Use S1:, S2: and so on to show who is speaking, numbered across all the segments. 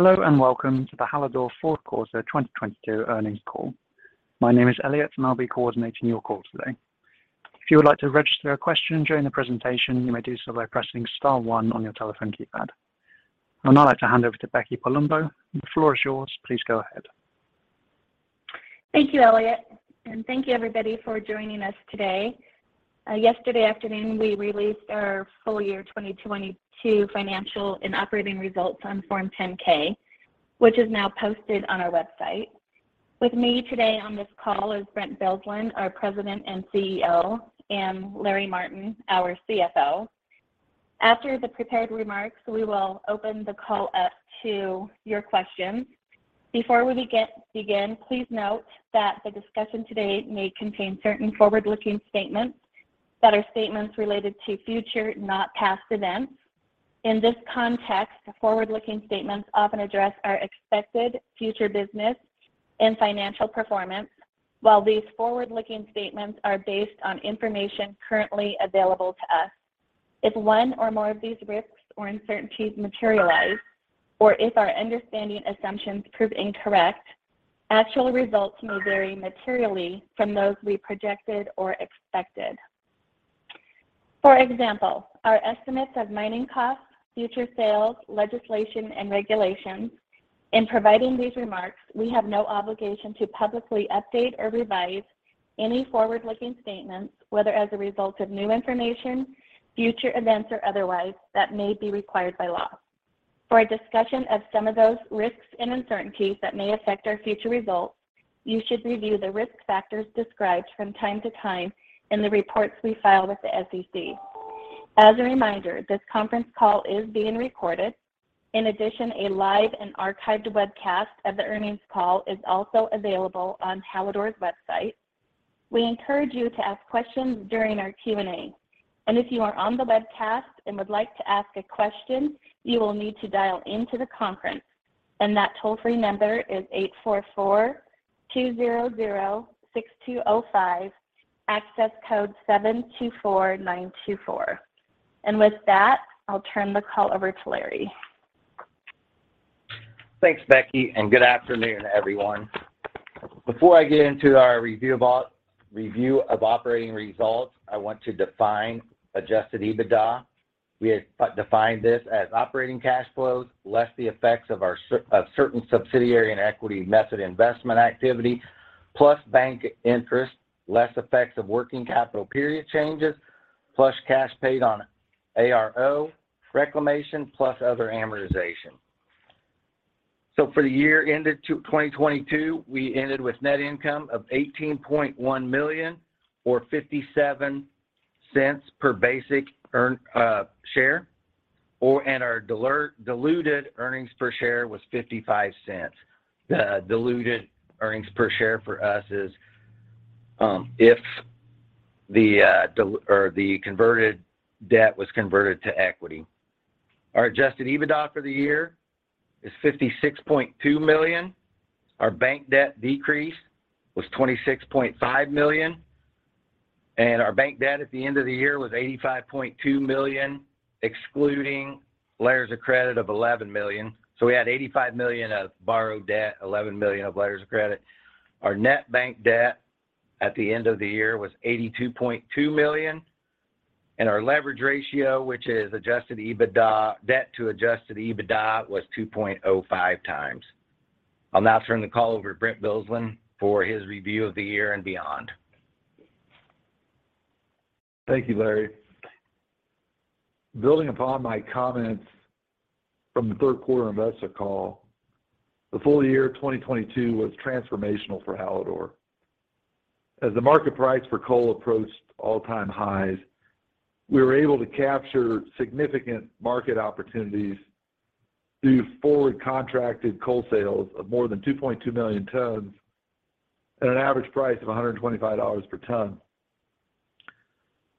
S1: Hello, welcome to the Hallador fourth quarter 2022 earnings call. My name is Elliot, and I'll be coordinating your call today. If you would like to register a question during the presentation, you may do so by pressing star one on your telephone keypad. I'd now like to hand over to Rebecca Palumbo. The floor is yours. Please go ahead.
S2: Thank you, Elliot. Thank you everybody for joining us today. Yesterday afternoon, we released our full year 2022 financial and operating results on Form 10-K, which is now posted on our website. With me today on this call is Brent Bilsland, our President and CEO, and Larry Martin, our CFO. After the prepared remarks, we will open the call up to your questions. Before we begin, please note that the discussion today may contain certain forward-looking statements that are statements related to future, not past events. In this context, forward-looking statements often address our expected future business and financial performance, while these forward-looking statements are based on information currently available to us. If one or more of these risks or uncertainties materialize, or if our understanding assumptions prove incorrect, actual results may vary materially from those we projected or expected. For example, our estimates of mining costs, future sales, legislation, and regulations. In providing these remarks, we have no obligation to publicly update or revise any forward-looking statements, whether as a result of new information, future events or otherwise, that may be required by law. For a discussion of some of those risks and uncertainties that may affect our future results, you should review the risk factors described from time to time in the reports we file with the SEC. As a reminder, this conference call is being recorded. In addition, a live and archived webcast of the earnings call is also available on Hallador's website. We encourage you to ask questions during our Q&A. If you are on the webcast and would like to ask a question, you will need to dial into the conference, and that toll-free number is 844-200-6205, access code 724924. With that, I'll turn the call over to Larry.
S3: Thanks, Becky and good afternoon, everyone. Before I get into our review of operating results, I want to define adjusted EBITDA. We have defined this as operating cash flows, less the effects of certain subsidiary and equity method investment activity, plus bank interest, less effects of working capital period changes, plus cash paid on ARO reclamation, plus other amortization. For the year ended 2022, we ended with net income of $18.1 million or $0.57 per basic share, and our diluted earnings per share was $0.55. The diluted earnings per share for us is, if the converted debt was converted to equity. Our adjusted EBITDA for the year is $56.2 million. Our bank debt decrease was $26.5 million. Our bank debt at the end of the year was $85.2 million, excluding letters of credit of $11 million. We had $85 million of borrowed debt, $11 million of letters of credit. Our net bank debt at the end of the year was $82.2 million. Our leverage ratio, which is adjusted EBITDA, debt to adjusted EBITDA, was 2.05x. I'll now turn the call over to Brent Bilsland for his review of the year and beyond.
S4: Thank you, Larry. Building upon my comments from the third quarter investor call, the full year 2022 was transformational for Hallador. As the market price for coal approached all-time highs, we were able to capture significant market opportunities through forward contracted coal sales of more than 2.2 million tons at an average price of $125 per ton.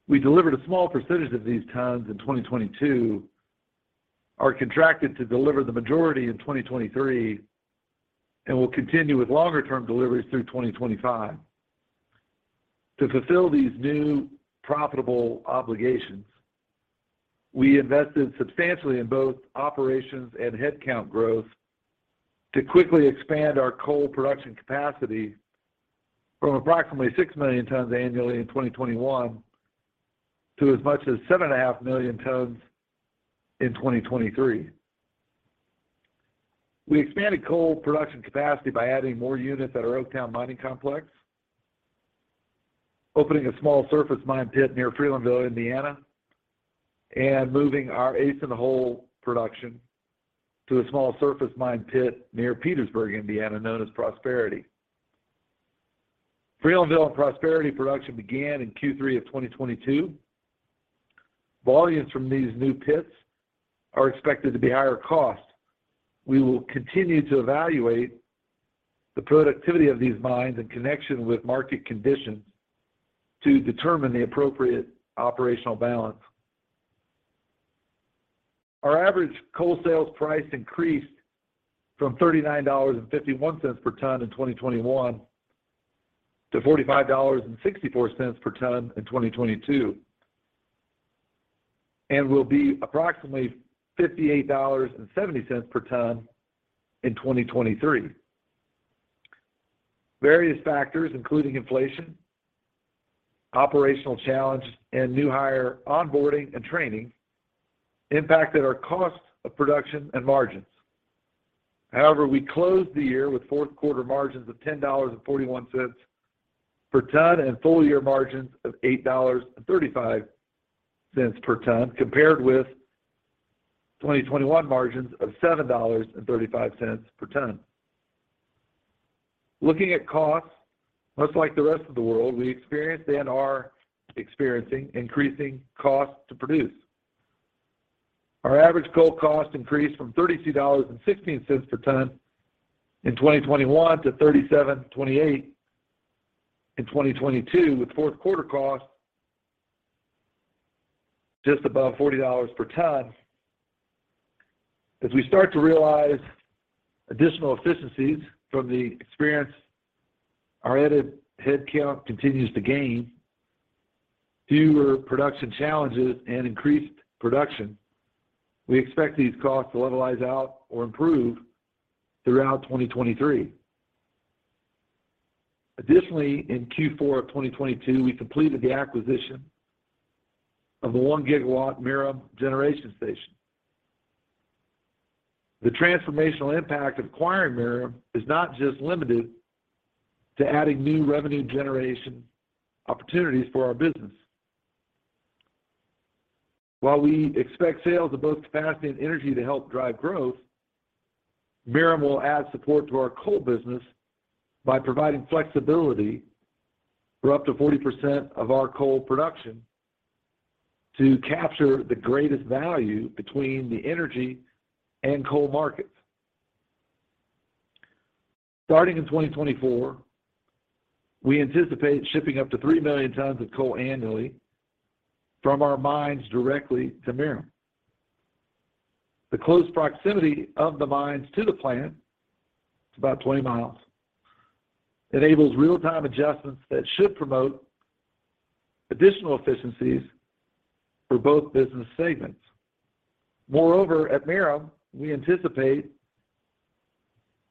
S4: We delivered a small percentage of these tons in 2022, are contracted to deliver the majority in 2023, and will continue with longer-term deliveries through 2025. To fulfill these new profitable obligations, we invested substantially in both operations and headcount growth to quickly expand our coal production capacity from approximately 6 million tons annually in 2021 to as much as 7.5 million tons in 2023. We expanded coal production capacity by adding more units at our Oaktown Mining Complex, opening a small surface mine pit near Freelandville, Indiana, and moving our Ace in the Hole production to a small surface mine pit near Petersburg, Indiana, known as Prosperity. Freelandville and Prosperity production began in Q3 of 2022. Volumes from these new pits are expected to be higher cost. We will continue to evaluate the productivity of these mines in connection with market conditions to determine the appropriate operational balance. Our average coal sales price increased from $39.51 per ton in 2021 to $45.64 per ton in 2022. It will be approximately $58.70 per ton in 2023. Various factors, including inflation, operational challenges, and new hire onboarding and training impacted our cost of production and margins. We closed the year with fourth quarter margins of $10.41 per ton and full year margins of $8.35 per ton, compared with 2021 margins of $7.35 per ton. Looking at costs, much like the rest of the world, we experienced and are experiencing increasing costs to produce. Our average coal cost increased from $32.16 per ton in 2021 to $37.28 in 2022, with fourth quarter costs just above $40 per ton. As we start to realize additional efficiencies from the experience our added headcount continues to gain, fewer production challenges and increased production, we expect these costs to levelize out or improve throughout 2023. In Q4 of 2022, we completed the acquisition of the 1 GW Merom Generating Station. The transformational impact of acquiring Merom is not just limited to adding new revenue generation opportunities for our business. While we expect sales of both capacity and energy to help drive growth, Merom will add support to our coal business by providing flexibility for up to 40% of our coal production to capture the greatest value between the energy and coal markets. Starting in 2024, we anticipate shipping up to 3 million tons of coal annually from our mines directly to Merom. The close proximity of the mines to the plant, it's about 20 miles, enables real-time adjustments that should promote additional efficiencies for both business segments. Moreover, at Merom, we anticipate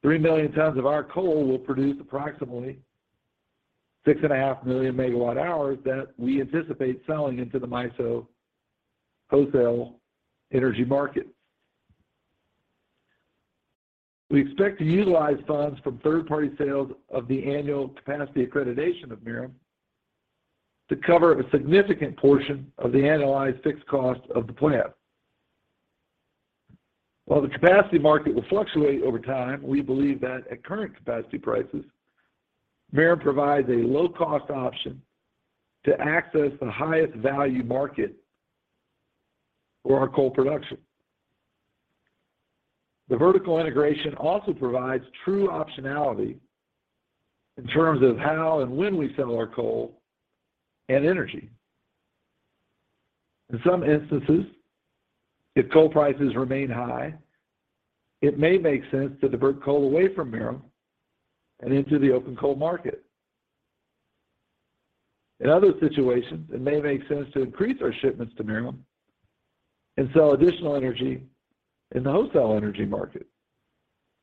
S4: 3 million tons of our coal will produce approximately 6.5 MWh million that we anticipate selling into the MISO wholesale energy market. We expect to utilize funds from third-party sales of the annual capacity accreditation of Merom to cover a significant portion of the annualized fixed cost of the plant. While the capacity market will fluctuate over time, we believe that at current capacity prices, Merom provides a low cost option to access the highest value market for our coal production. The vertical integration also provides true optionality in terms of how and when we sell our coal and energy. In some instances, if coal prices remain high, it may make sense to divert coal away from Merom and into the open coal market. In other situations, it may make sense to increase our shipments to Merom and sell additional energy in the wholesale energy market.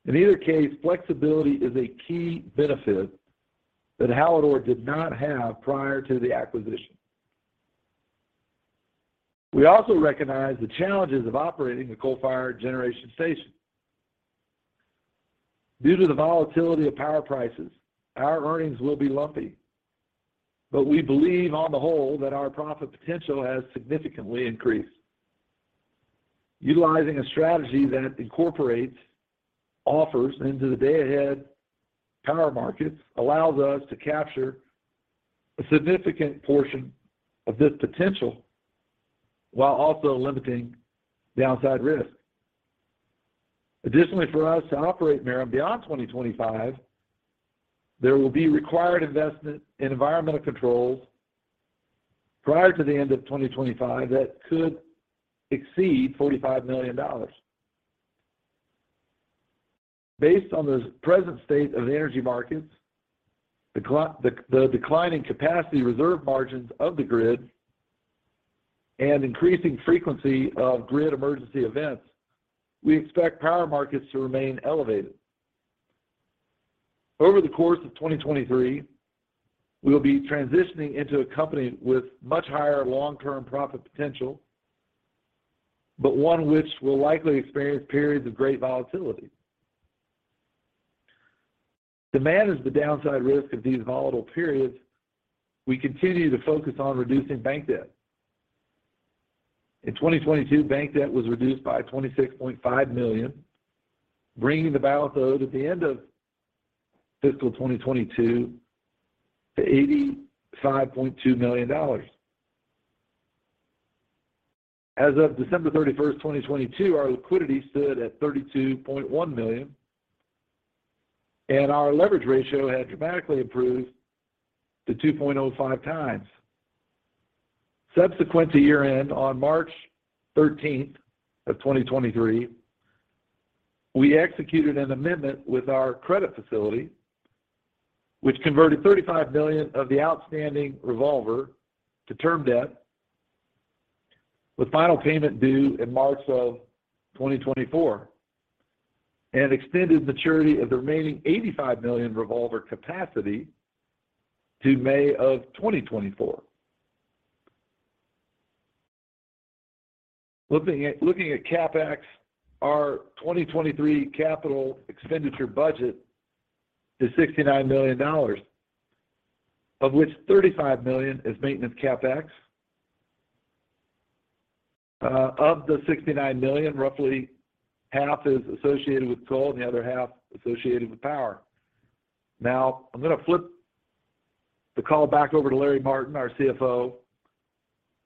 S4: In either case, flexibility is a key benefit that Hallador did not have prior to the acquisition. We also recognize the challenges of operating a coal-fired generation station. Due to the volatility of power prices, our earnings will be lumpy, but we believe on the whole that our profit potential has significantly increased. Utilizing a strategy that incorporates offers into the day-ahead power markets allows us to capture a significant portion of this potential while also limiting downside risk. Additionally, for us to operate Merom beyond 2025, there will be required investment in environmental controls prior to the end of 2025 that could exceed $45 million. Based on the present state of the energy markets, the declining capacity reserve margins of the grid and increasing frequency of grid emergency events, we expect power markets to remain elevated. Over the course of 2023, we will be transitioning into a company with much higher long-term profit potential, but one which will likely experience periods of great volatility. To manage the downside risk of these volatile periods, we continue to focus on reducing bank debt. In 2022, bank debt was reduced by $26.5 million, bringing the balance owed at the end of fiscal 2022 to $85.2 million. As of December 31st, 2022, our liquidity stood at $32.1 million and our leverage ratio had dramatically improved to 2.05x. Subsequent to year-end, on March 13th of 2023. We executed an amendment with our credit facility which converted $35 million of the outstanding revolver to term debt with final payment due in March of 2024 and extended maturity of the remaining $85 million revolver capacity to May of 2024. Looking at CapEx, our 2023 capital expenditure budget is $69 million, of which $35 million is maintenance CapEx. Of the $69 million, roughly half is associated with coal and the other half associated with power. Now I'm going to flip the call back over to Larry Martin, our CFO,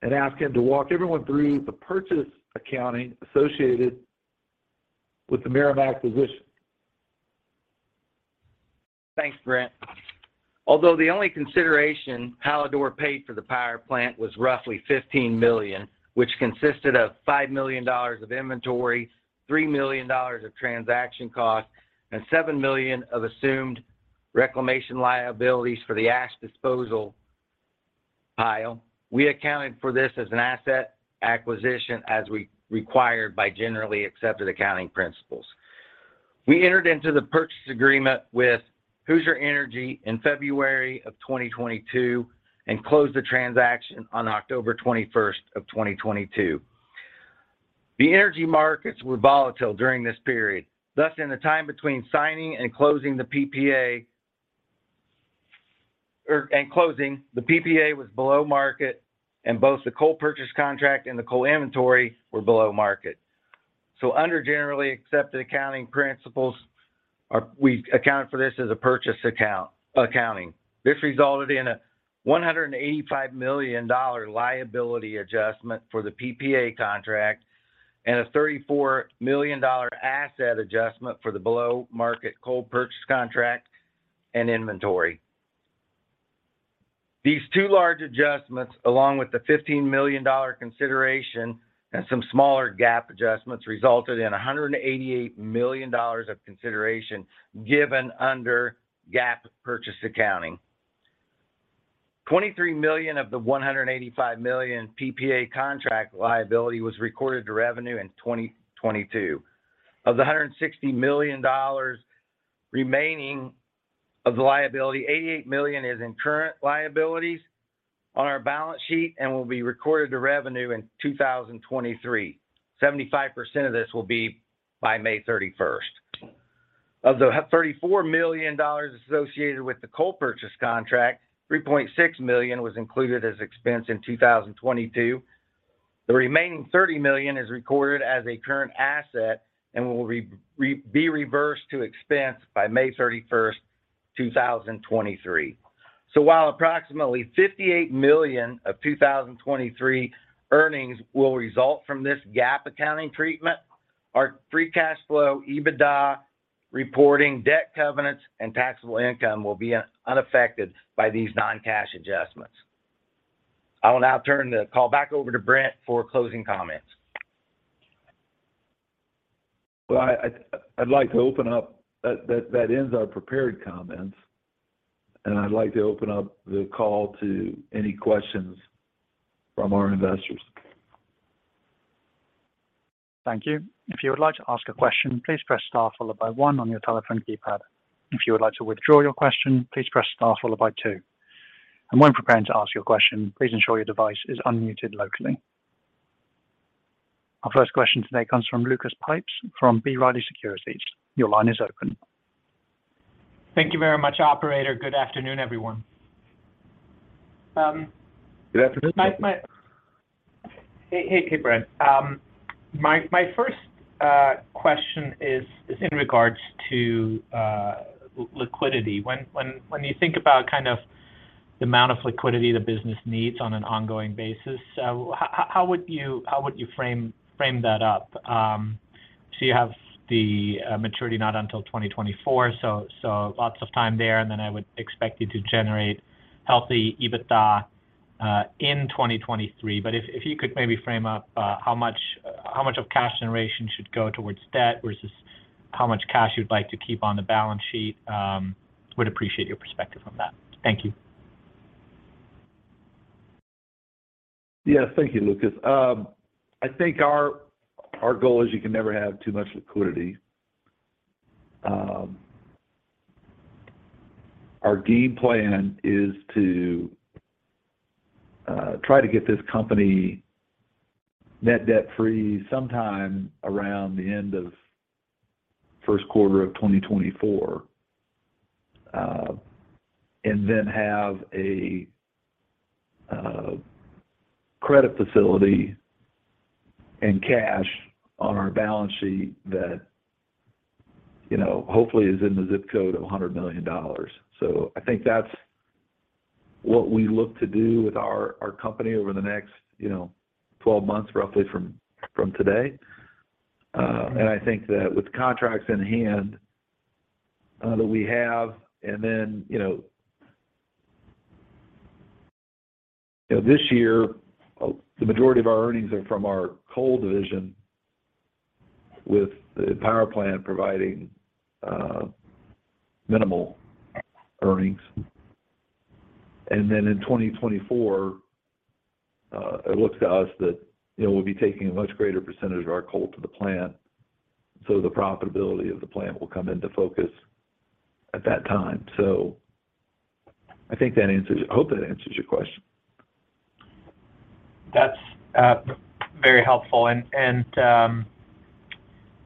S4: and ask him to walk everyone through the purchase accounting associated with the Merom acquisition.
S3: Thanks, Brent. Although the only consideration Hallador paid for the power plant was roughly $15 million, which consisted of $5 million of inventory, $3 million of transaction costs, and $7 million of assumed reclamation liabilities for the ash disposal pile. We accounted for this as an asset acquisition as required by generally accepted accounting principles. We entered into the purchase agreement with Hoosier Energy in February of 2022 and closed the transaction on October 21st of 2022. The energy markets were volatile during this period, thus, in the time between signing and closing the PPA and closing, the PPA was below market and both the coal purchase contract and the coal inventory were below market. Under generally accepted accounting principles, we accounted for this as a purchase accounting. This resulted in a $185 million liability adjustment for the PPA contract and a $34 million asset adjustment for the below market coal purchase contract and inventory. These two large adjustments, along with the $15 million consideration and some smaller GAAP adjustments, resulted in a $188 million of consideration given under GAAP purchase accounting. $23 million of the $185 million PPA contract liability was recorded to revenue in 2022. Of the $160 million remaining of the liability, $88 million is in current liabilities on our balance sheet and will be recorded to revenue in 2023. 75% of this will be by May 31st. Of the $34 million associated with the coal purchase contract, $3.6 million was included as expense in 2022. The remaining $30 million is recorded as a current asset and will be reversed to expense by May 31st, 2023. While approximately $58 million of 2023 earnings will result from this GAAP accounting treatment, our free cash flow, EBITDA reporting, debt covenants and taxable income will be unaffected by these non-cash adjustments. I will now turn the call back over to Brent for closing comments.
S4: Well, that ends our prepared comments, and I'd like to open up the call to any questions from our investors.
S1: Thank you. If you would like to ask a question, please press star followed by one on your telephone keypad. If you would like to withdraw your question, please press star followed by two. When preparing to ask your question, please ensure your device is unmuted locally. Our first question today comes from Lucas Pipes from B. Riley Securities. Your line is open.
S5: Thank you very much, operator. Good afternoon, everyone.
S4: Good afternoon.
S5: My, hey, Brent. My first question is in regards to liquidity. When you think about kind of the amount of liquidity the business needs on an ongoing basis, how would you frame that up? You have the maturity not until 2024, so lots of time there, and then I would expect you to generate healthy EBITDA in 2023. If you could maybe frame up how much of cash generation should go towards debt versus how much cash you'd like to keep on the balance sheet. Would appreciate your perspective on that. Thank you.
S4: Yes. Thank you, Lucas. I think our goal is you can never have too much liquidity. Our game plan is to try to get this company net debt-free sometime around the end of first quarter of 2024. Then have a credit facility and cash on our balance sheet that, you know, hopefully is in the ZIP code of $100 million. I think that's what we look to do with our company over the next, you know, 12 months roughly from today. I think that with the contracts in hand that we have and then, You know, this year, the majority of our earnings are from our coal division, with the power plant providing minimal earnings. In 2024, it looks to us that, you know, we'll be taking a much greater percent of our coal to the plant, so the profitability of the plant will come into focus at that time. I hope that answers your question.
S5: That's very helpful.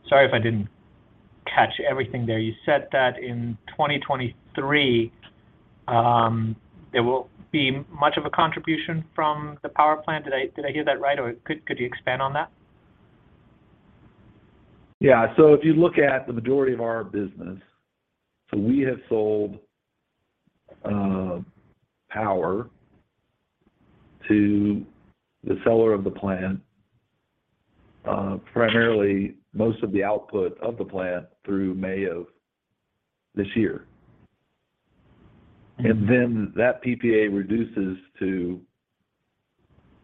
S5: Sorry if I didn't catch everything there. You said that in 2023, there will be much of a contribution from the power plant. Did I hear that right? Could you expand on that?
S4: Yeah. If you look at the majority of our business, we have sold power to the seller of the plant, primarily most of the output of the plant through May of this year. That PPA reduces to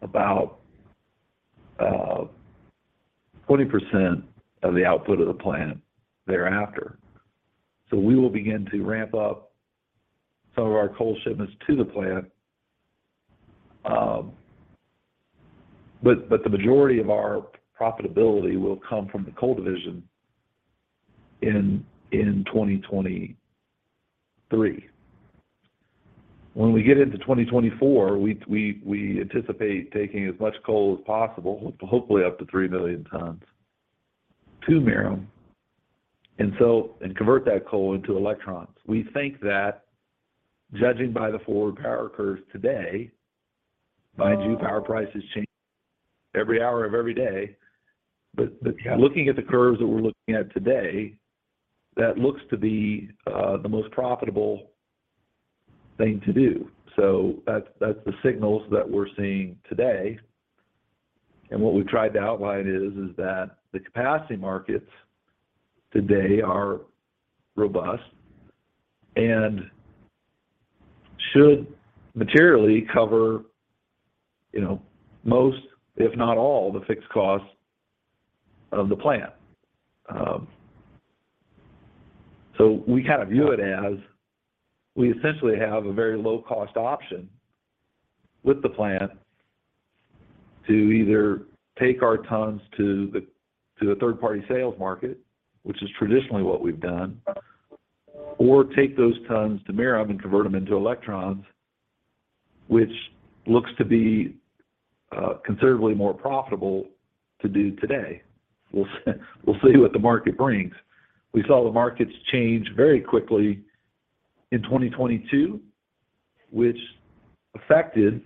S4: about 20% of the output of the plant thereafter. We will begin to ramp up some of our coal shipments to the plant, but the majority of our profitability will come from the coal division in 2023. When we get into 2024, we anticipate taking as much coal as possible, hopefully up to 3 million tons, to Merom, and convert that coal into electrons. We think that judging by the forward power curves today, mind you, power prices change every hour of every day. Looking at the curves that we're looking at today, that looks to be the most profitable thing to do. That's the signals that we're seeing today. What we've tried to outline is that the capacity markets today are robust and should materially cover, you know, most, if not all, the fixed costs of the plant. We kind of view it as we essentially have a very low cost option with the plant to either take our tons to the third-party sales market, which is traditionally what we've done, or take those tons to Merom and convert them into electrons, which looks to be considerably more profitable to do today. We'll see what the market brings. We saw the markets change very quickly in 2022, which affected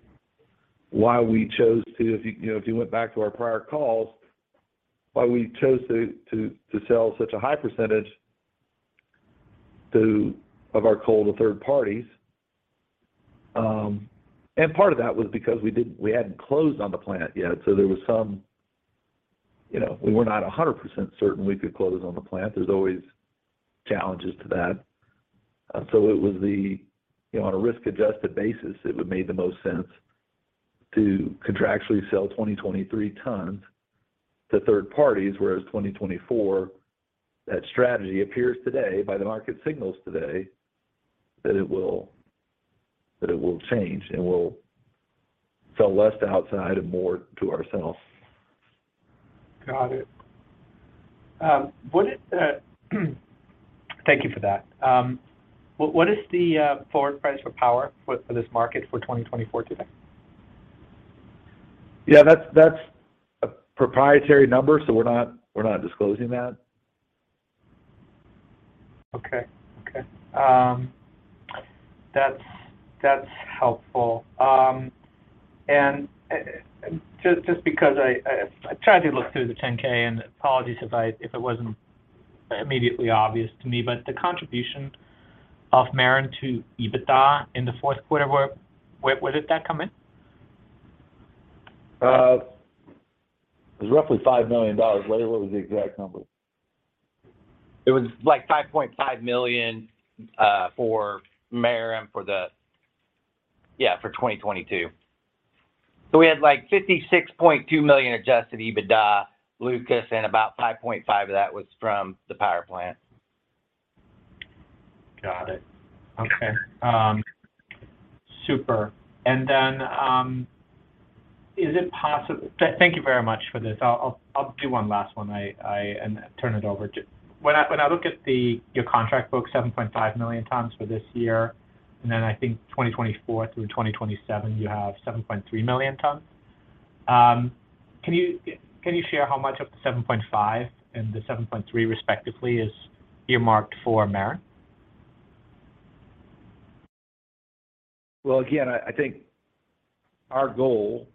S4: why we chose to, if, you know, if you went back to our prior calls, why we chose to sell such a high percentage of our coal to third parties. Part of that was because we hadn't closed on the plant yet. There was some, you know, we were not 100% certain we could close on the plant. There's always challenges to that. It was the, you know, on a risk-adjusted basis, it would made the most sense to contractually sell 2023 tons to third parties. Whereas 2024, that strategy appears today by the market signals today that it will change, and we'll sell less to outside and more to ourselves.
S5: Got it. Thank you for that. What is the forward price for power for this market for 2024 today?
S3: Yeah, that's a proprietary number, so we're not disclosing that.
S5: Okay. Okay. That's helpful. Just because I tried to look through the 10-K and apologies if it wasn't immediately obvious to me, but the contribution of Merom to EBITDA in the fourth quarter, where did that come in?
S4: It was roughly $5 million. Larry, what was the exact number?
S3: It was like $5.5 million for Merom for 2022. We had, like, $56.2 million adjusted EBITDA, Lucas, and about $5.5 of that was from the power plant.
S5: Got it. Okay. Super. Thank you very much for this. I'll do one last one and turn it over to... When I look at your contract book, 7.5 million tons for this year, and then I think 2024 through 2027, you have 7.3 million tons. Can you share how much of the 7.5 million tons and the 7.3 million tons respectively is earmarked for Merom?
S4: Well, again, I think our goal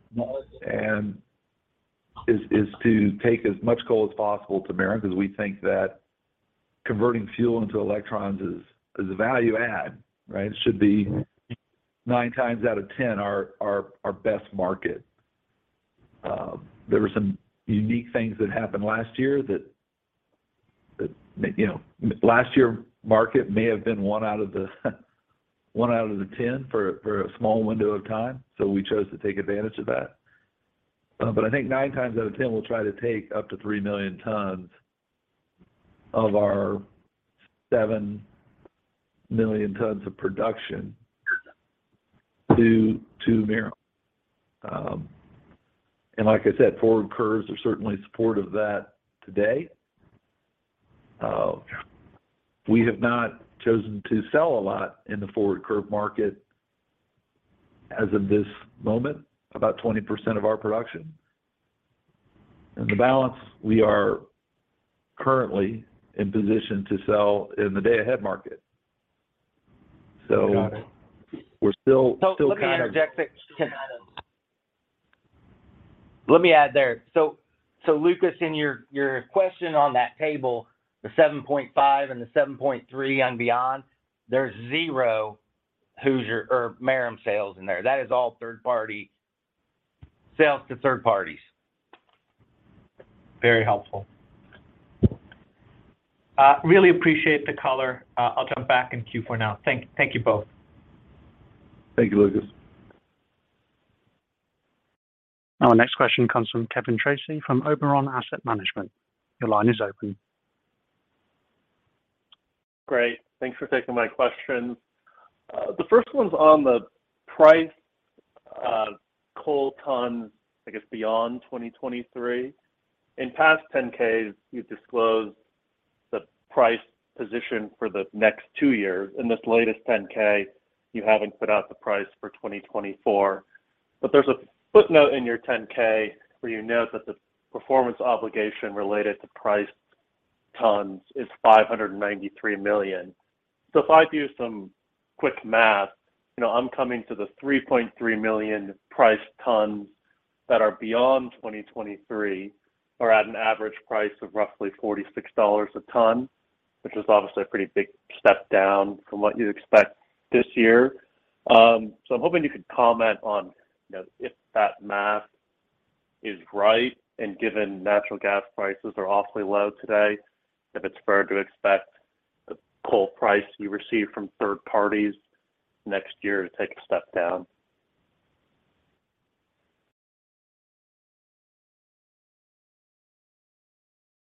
S4: is to take as much coal as possible to Merom because we think that converting fuel into electrons is a value add, right? It should be 9x out of 10 our best market. There were some unique things that happened last year that, you know, last year market may have been one out of the one out of the 10 for a small window of time, so we chose to take advantage of that. I think 9x out of 10 we'll try to take up to 3 million tons of our 7 million tons of production to Merom. Like I said, forward curves are certainly supportive that today, we have not chosen to sell a lot in the forward curve market as of this moment, about 20% of our production. The balance we are currently in position to sell in the day-ahead market
S3: Looking at two items. Let me add there. Lucas, in your question on that table, the 7.5 million tons and the 7.3 million tons and beyond, there's zero Hoosier or Merom sales in there. That is all third party sales to third parties.
S5: Very helpful. Really appreciate the color. I'll jump back in queue for now. Thank you both.
S4: Thank you, Lucas.
S1: Our next question comes from Kevin Tracey from Oberon Asset Management. Your line is open.
S6: Great. Thanks for taking my questions. The first one's on the price, coal tons, I guess, beyond 2023. In past 10-Ks you've disclosed the price position for the next two years. In this latest 10-K, you haven't put out the price for 2024. There's a footnote in your 10-K where you note that the performance obligation related to price tons is $593 million. If I do some quick math, you know, I'm coming to the 3.3 million price tons that are beyond 2023 are at an average price of roughly $46 a ton, which is obviously a pretty big step down from what you'd expect this year. I'm hoping you could comment on, you know, if that math is right, and given natural gas prices are awfully low today, if it's fair to expect the coal price you receive from third parties next year to take a step down?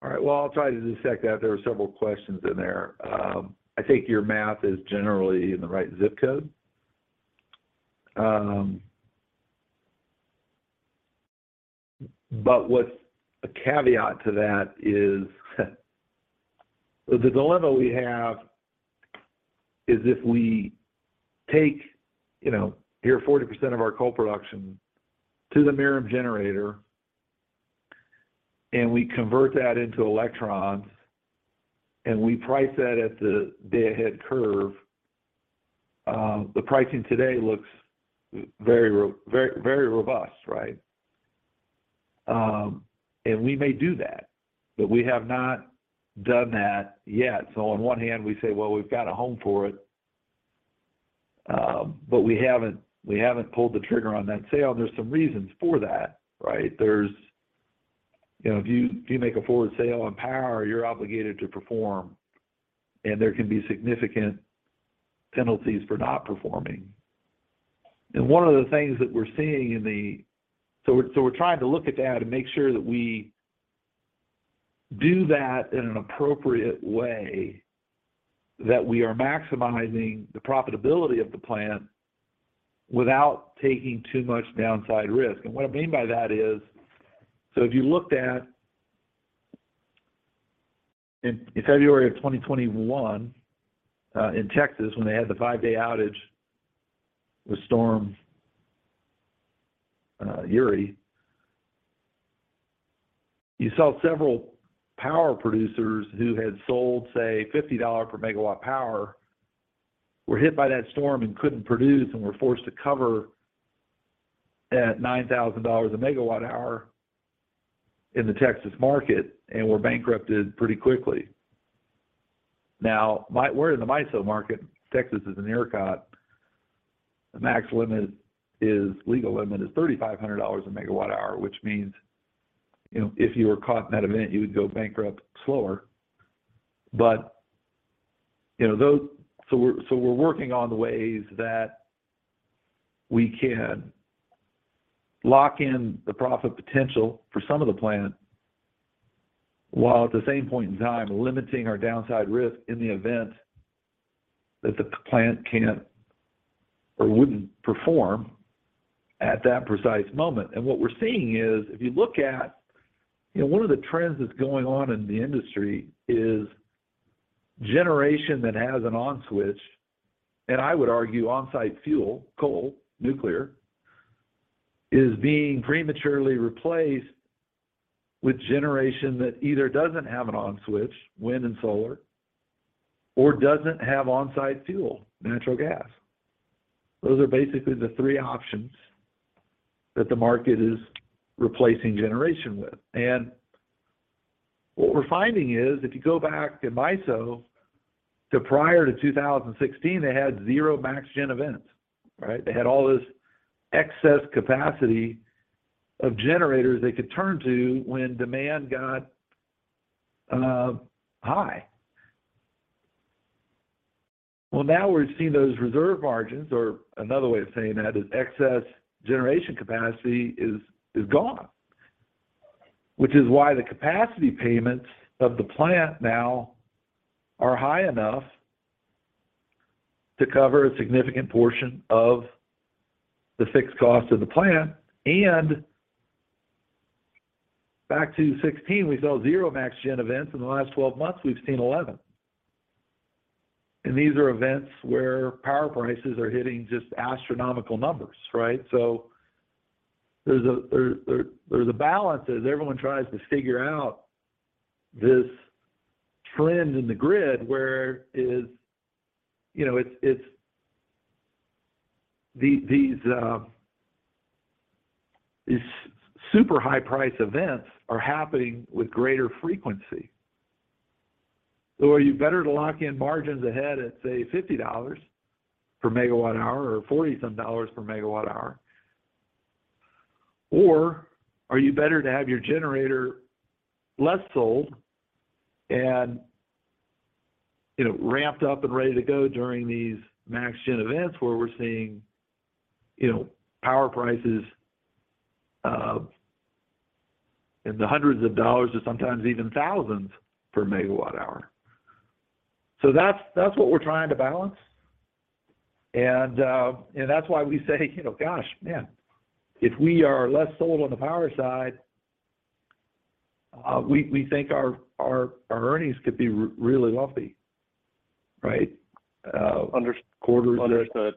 S4: All right. Well, I'll try to dissect that. There are several questions in there. I think your math is generally in the right ZIP code. What's a caveat to that is the dilemma we have is if we take, you know, near 40% of our coal production to the Merom generator, and we convert that into electrons, and we price that at the day ahead curve, the pricing today looks very, very robust, right? We may do that, but we have not done that yet. On one hand we say, well, we've got a home for it, but we haven't pulled the trigger on that sale. There's some reasons for that, right? There's... You know, if you make a forward sale on power, you're obligated to perform, and there can be significant penalties for not performing. One of the things that we're seeing, we're trying to look at that and make sure that we do that in an appropriate way, that we are maximizing the profitability of the plant without taking too much downside risk. What I mean by that is, if you looked at in February of 2021 in Texas when they had the five-day outage with Storm Uri, you saw several power producers who had sold, say, $50/MW power, were hit by that storm and couldn't produce and were forced to cover at $9,000/MWh in the Texas market and were bankrupted pretty quickly. We're in the MISO market. Texas is an ERCOT. The max legal limit is $3,500/MWh which means, you know, if you were caught in that event, you would go bankrupt slower. So we're working on the ways that we can lock in the profit potential for some of the plant, while at the same point in time limiting our downside risk in the event that the plant can't or wouldn't perform at that precise moment. What we're seeing is, if you look at, you know, one of the trends that's going on in the industry is generation that has an on switch, and I would argue on-site fuel, coal, nuclear, is being prematurely replaced with generation that either doesn't have an on switch, wind and solar, or doesn't have on-site fuel, natural gas. Those are basically the three options that the market is replacing generation with. What we're finding is if you go back to MISO to prior to 2016, they had zero Max Gen Events, right? They had all this excess capacity of generators they could turn to when demand got high. Now we're seeing those reserve margins, or another way of saying that is excess generation capacity is gone. Which is why the capacity payments of the plant now are high enough to cover a significant portion of the fixed cost of the plant. Back to 16, we saw zero Max Gen Events. In the last 12 months, we've seen 11. These are events where power prices are hitting just astronomical numbers, right? There's a balance as everyone tries to figure out this trend in the grid where it's, you know, these super high price events are happening with greater frequency. Are you better to lock in margins ahead at, say, $50/MWh or $40/MWh? Or are you better to have your generator less sold and, you know, ramped up and ready to go during these Max Gen Events where we're seeing, you know, power prices in the hundreds of dollars or sometimes even thousands per megawatt hour. That's what we're trying to balance and that's why we say, you know, gosh, man, if we are less sold on the power side, we think our earnings could be really lofty, right?
S6: Under-
S4: Quarterly.
S6: Understood.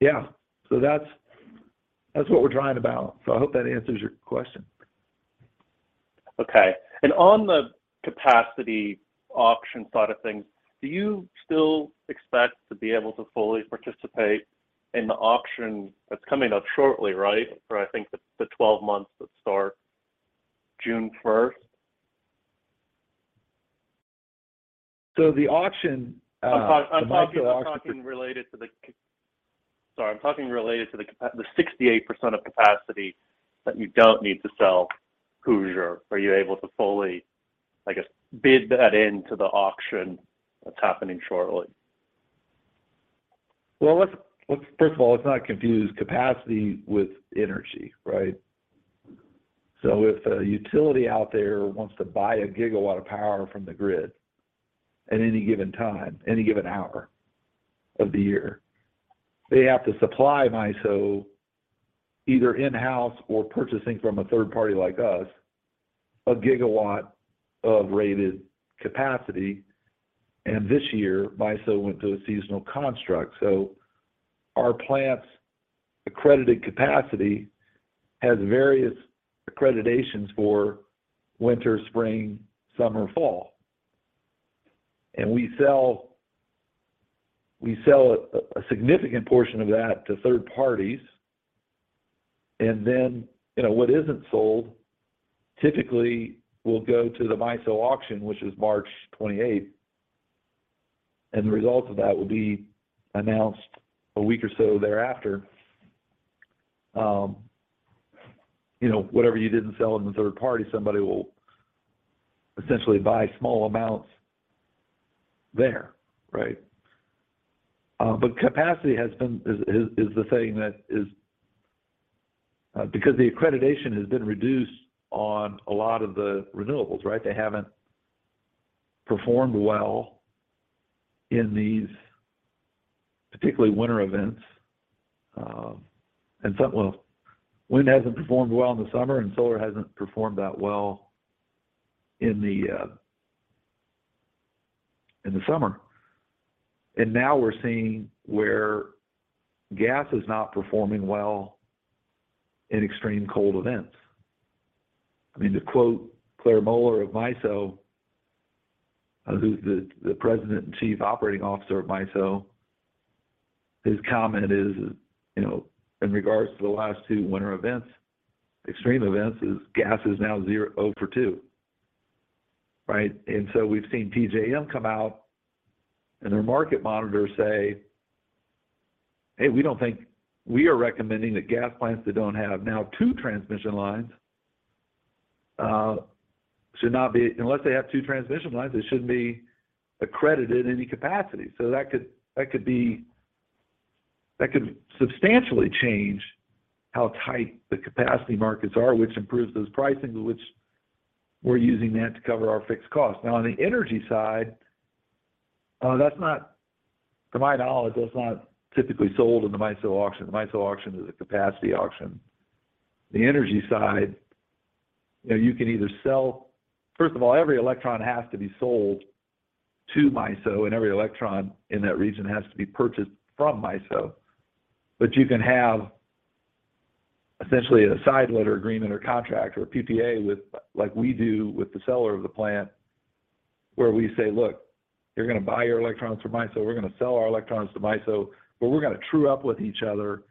S4: Yeah. That's what we're trying to balance. I hope that answers your question.
S6: Okay. On the capacity auction side of things, do you still expect to be able to fully participate in the auction that's coming up shortly, right? For the 12 months that start June 1st.
S4: The auction, the MISO auction.
S6: I'm talking. Sorry, I'm talking related to the 68% of capacity that you don't need to sell Hoosier. Are you able to fully, I guess, bid that into the auction that's happening shortly?
S4: Well, let's First of all, let's not confuse capacity with energy, right? If a utility out there wants to buy a gigawatt of power from the grid at any given time, any given hour of the year, they have to supply MISO either in-house or purchasing from a third party like us, a gigawatt of rated capacity. This year, MISO went to a seasonal construct. Our plant's accredited capacity has various accreditations for winter, spring, summer, fall. We sell a significant portion of that to third parties. You know, what isn't sold typically will go to the MISO auction, which is March 28th. The results of that will be announced a week or so thereafter. You know, whatever you didn't sell in the third party, somebody will essentially buy small amounts there, right? Capacity has been the thing that is because the accreditation has been reduced on a lot of the renewables, right? They haven't performed well in these particularly winter events. Well, wind hasn't performed well in the summer, and solar hasn't performed that well in the summer. Now we're seeing where gas is not performing well in extreme cold events. I mean, to quote Clair Moeller of MISO, who's the President and Chief Operating Officer of MISO, his comment is, you know, in regards to the last two winter events, extreme events, is gas is now zero for two, right? We've seen PJM come out and their market monitors say, "Hey, We are recommending that gas plants that don't have now two transmission lines, Unless they have two transmission lines, they shouldn't be accredited any capacity." That could substantially change how tight the capacity markets are, which improves those pricing, which we're using that to cover our fixed cost. On the energy side, To my knowledge, that's not typically sold in the MISO auction. The MISO auction is a capacity auction. The energy side, you know, First of all, every electron has to be sold to MISO, and every electron in that region has to be purchased from MISO. You can have essentially a side letter agreement or contract or a PPA like we do with the seller of the plantWhere we say, look, you're going to buy your electrons from ISO, we're going to sell our electrons to MISO, but we're going to true up with each other.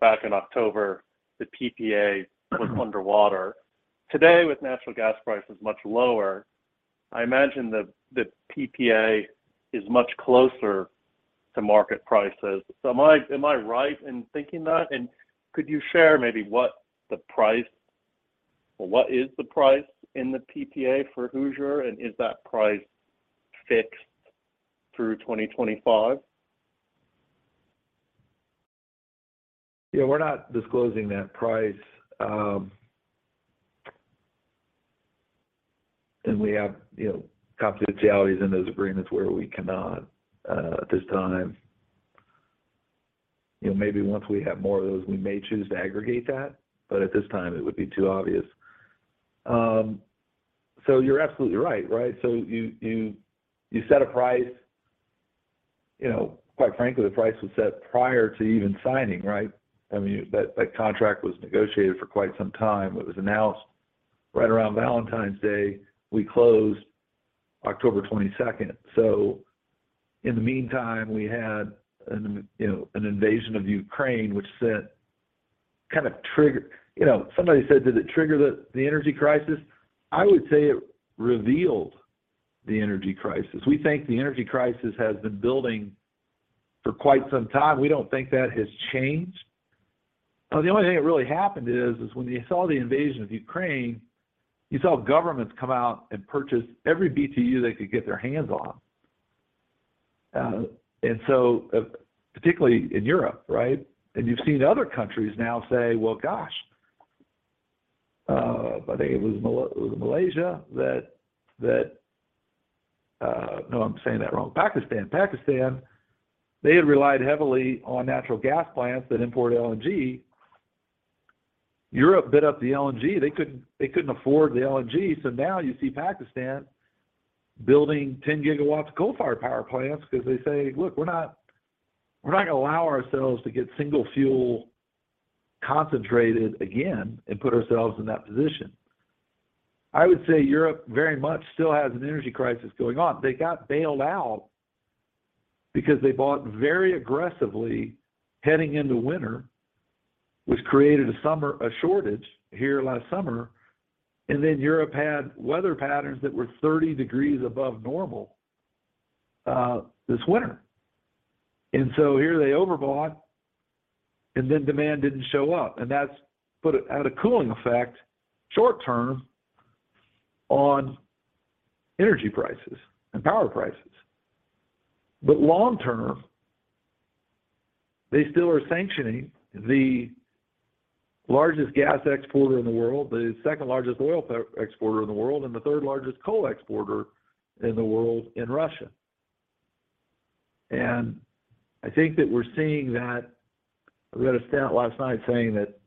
S6: Back in October, the PPA was underwater. Today, with natural gas prices much lower, I imagine the PPA is much closer to market prices. Am I right in thinking that? Could you share maybe what the price or what is the price in the PPA for Hoosier? Is that price fixed through 2025?
S4: Yeah, we're not disclosing that price. We have, you know, confidentialities in those agreements where we cannot at this time. You know, maybe once we have more of those, we may choose to aggregate that. At this time, it would be too obvious. You're absolutely right? You set a price. You know, quite frankly, the price was set prior to even signing, right? I mean, that contract was negotiated for quite some time. It was announced right around Valentine's Day. We closed October 22nd. In the meantime, we had, you know, an invasion of Ukraine, which sent kind of trigger. You know, somebody said, did it trigger the energy crisis? I would say it revealed the energy crisis. We think the energy crisis has been building for quite some time. We don't think that has changed. The only thing that really happened is when you saw the invasion of Ukraine, you saw governments come out and purchase every BTU they could get their hands on. Particularly in Europe, right? You've seen other countries now say, well, gosh, I think it was Malaysia that, no, I'm saying that wrong. Pakistan. Pakistan, they had relied heavily on natural gas plants that import LNG. Europe bid up the LNG. They couldn't afford the LNG. Now you see Pakistan building 10 GW coal-fired power plants because they say, look, we're not going to allow ourselves to get single fuel concentrated again and put ourselves in that position. I would say Europe very much still has an energy crisis going on. They got bailed out because they bought very aggressively heading into winter, which created a shortage here last summer. Europe had weather patterns that were 30 degrees above normal this winter. Here they overbought and then demand didn't show up. That's put it at a cooling effect short term on energy prices and power prices. Long term, they still are sanctioning the largest gas exporter in the world, the second largest oil exporter in the world, and the third largest coal exporter in the world in Russia. I think that we're seeing that. I read a stat last night saying that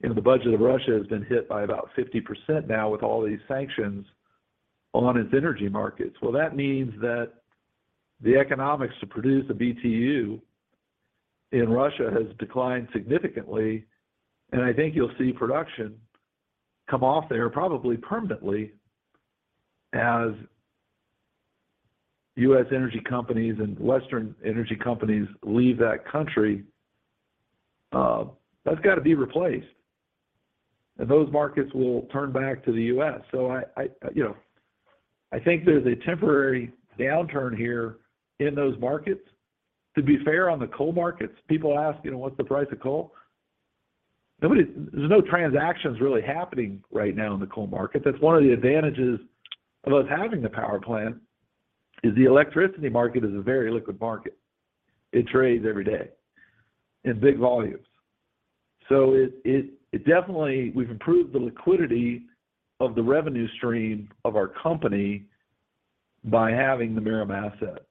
S4: the budget of Russia has been hit by about 50% now with all these sanctions on its energy markets. That means that the economics to produce a BTU in Russia has declined significantly. I think you'll see production come off there probably permanently as U.S. energy companies and Western energy companies leave that country. That's got to be replaced. Those markets will turn back to the U.S. I think there's a temporary downturn here in those markets. To be fair on the coal markets, people ask, what's the price of coal? There's no transactions really happening right now in the coal market. That's one of the advantages of us having the power plant is the electricity market is a very liquid market. It trades every day in big volumes. It definitely, we've improved the liquidity of the revenue stream of our company by having the Merom asset.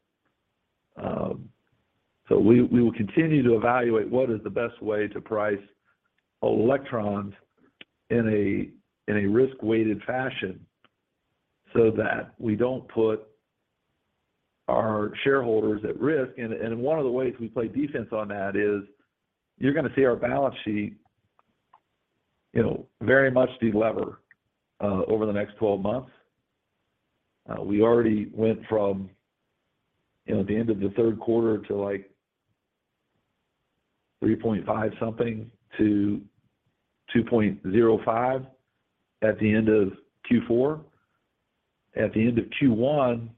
S4: We will continue to evaluate what is the best way to price electrons in a risk-weighted fashion so that we don't put our shareholders at risk. One of the ways we play defense on that is you're going to see our balance sheet you know, very much de-lever over the next 12 months. We already went from, you know, the end of the third quarter to, like, 3.5 something to 2.05 at the end of Q4. At the end of Q1,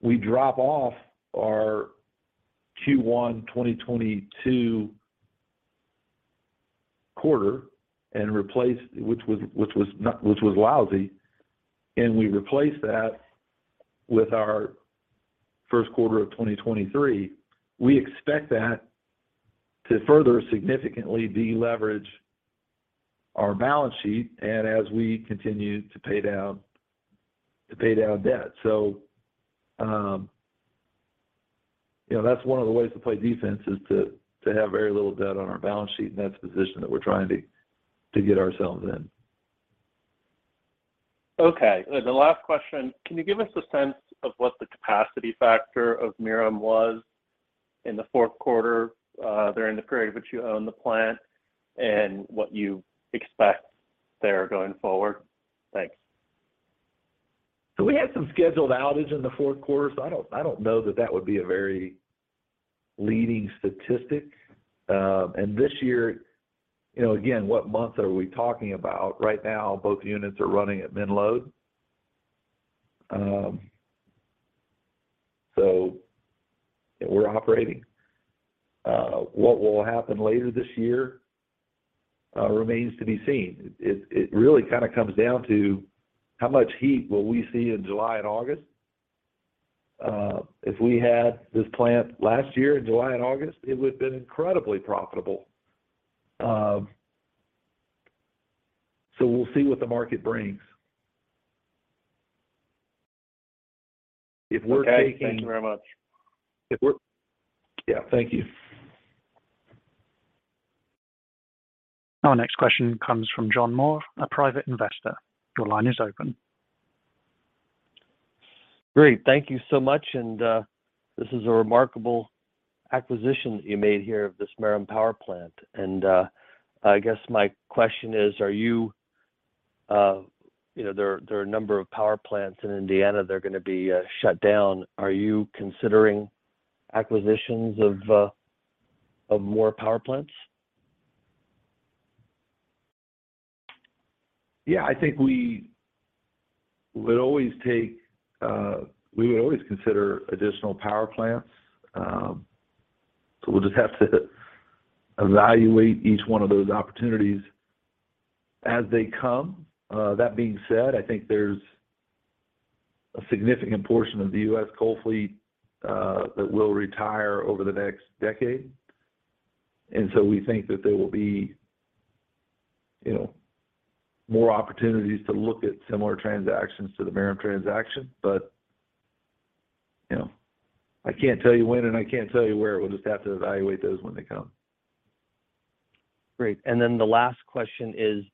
S4: we drop off our Q1 2022 quarter and replace which was lousy. We replace that with our first quarter of 2023. We expect that to further significantly de-leverage our balance sheet, and as we continue to pay down debt. you know, that's one of the ways to play defense, is to have very little debt on our balance sheet, and that's the position that we're trying to get ourselves in.
S6: Okay. The last question, can you give us a sense of what the capacity factor of Merom was in the fourth quarter, during the period that you owned the plant, and what you expect there going forward? Thanks.
S4: We had some scheduled outages in the fourth quarter, I don't know that that would be a very leading statistic. This year, you know, again, what month are we talking about? Right now, both units are running at min load. We're operating. What will happen later this year remains to be seen. It really kind of comes down to how much heat will we see in July and August. If we had this plant last year in July and August, it would have been incredibly profitable. We'll see what the market brings.
S6: Okay. Thank you very much.
S4: Yeah. Thank you.
S1: Our next question comes from John Moore, a private investor. Your line is open.
S7: Great. Thank you so much. This is a remarkable acquisition that you made here of this Merom Power Plant. I guess my question is, are you know, there are a number of power plants in Indiana that are gonna be shut down. Are you considering acquisitions of more power plants?
S4: Yeah. I think we would always take, we would always consider additional power plants. We'll just have to evaluate each one of those opportunities as they come. That being said, I think there's a significant portion of the U.S. coal fleet that will retire over the next decade. We think that there will be, you know, more opportunities to look at similar transactions to the Merom transaction. You know, I can't tell you when and I can't tell you where. We'll just have to evaluate those when they come.
S7: Great. The last question is,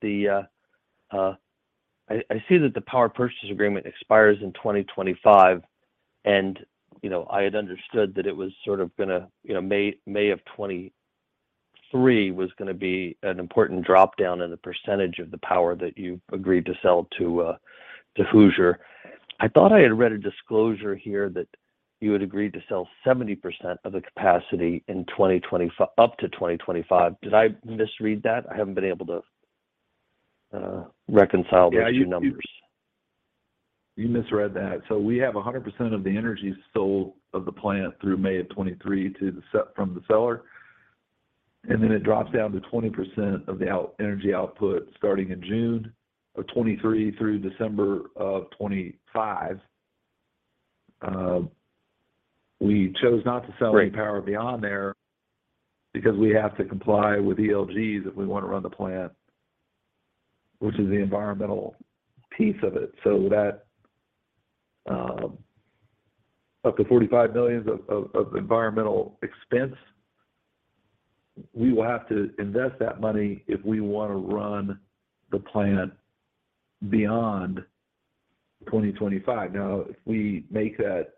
S7: I see that the power purchase agreement expires in 2025, and, you know, I had understood that it was sort of gonna, you know, May of 2023 was gonna be an important drop-down in the percentage of the power that you've agreed to sell to Hoosier. I thought I had read a disclosure here that you had agreed to sell 70% of the capacity in up to 2025. Did I misread that? I haven't been able to reconcile those two numbers.
S4: Yeah. You misread that. We have 100% of the energy sold of the plant through May of 2023 from the seller, and then it drops down to 20% of the energy output starting in June of 2023 through December of 2025. We chose not to sell any power beyond there because we have to comply with ELGs if we want to run the plant, which is the environmental piece of it. Up to $45 million of environmental expense, we will have to invest that money if we want to run the plant beyond 2025. If we make that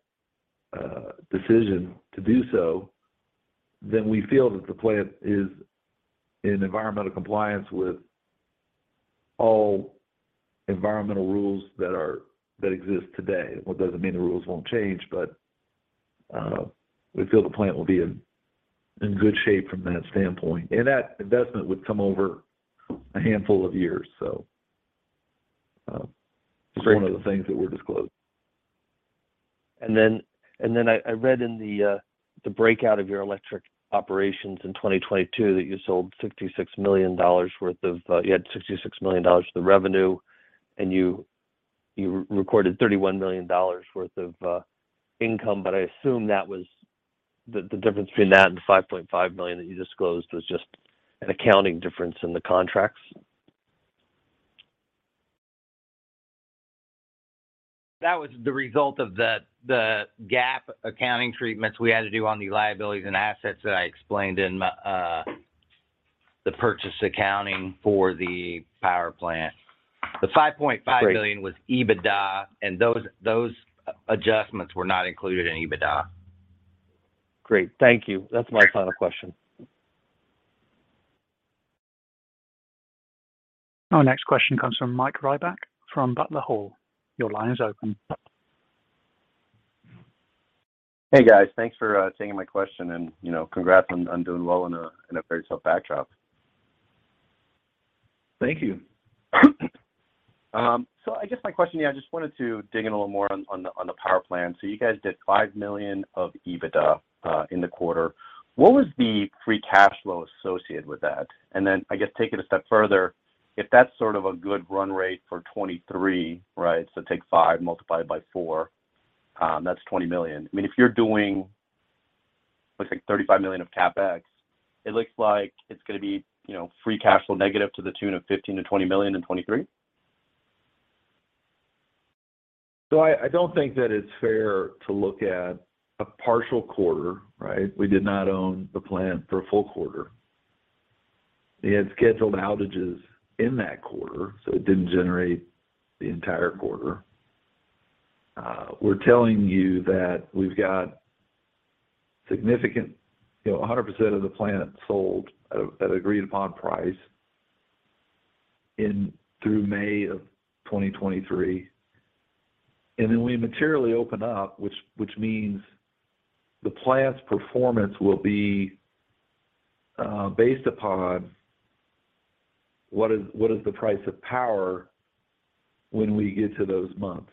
S4: decision to do so, then we feel that the plant is in environmental compliance with all environmental rules that are, that exist today. It doesn't mean the rules won't change, but we feel the plant will be in good shape from that standpoint. That investment would come over a handful of years.
S7: Great.
S4: It's one of the things that we're disclosing.
S7: I read in the breakout of your electric operations in 2022 that you sold $66 million worth of, you had $66 million of the revenue, and you recorded $31 million worth of income. I assume the difference between that and the $5.5 million that you disclosed was just an accounting difference in the contracts.
S3: That was the result of the GAAP accounting treatments we had to do on the liabilities and assets that I explained in the purchase accounting for the power plant. The $5.5 million-
S7: Great.
S3: ...was EBITDA, and those adjustments were not included in EBITDA.
S7: Great. Thank you. That's my final question.
S1: Our next question comes from Mike Rybak from Butler Hall. Your line is open.
S8: Hey guys. Thanks for taking my question, and, you know, congrats on doing well in a very tough backdrop.
S4: Thank you.
S8: I guess my question, yeah, I just wanted to dig in a little more on the power plant. You guys did $5 million of EBITDA in the quarter. What was the free cash flow associated with that? I guess take it a step further, if that's sort of a good run rate for 2023, right? Take 5 multiplied by 4, that's $20 million. I mean, if you're doing, looks like $35 million of CapEx, it looks like it's gonna be, you know, free cash flow negative to the tune of $15 million-$20 million in 2023.
S4: I don't think that it's fair to look at a partial quarter, right? We did not own the plant for a full quarter. We had scheduled outages in that quarter, so it didn't generate the entire quarter. We're telling you that we've got significant, you know, 100% of the plant sold at a, at agreed upon price through May of 2023. Then we materially open up, which means the plant's performance will be based upon what is the price of power when we get to those months.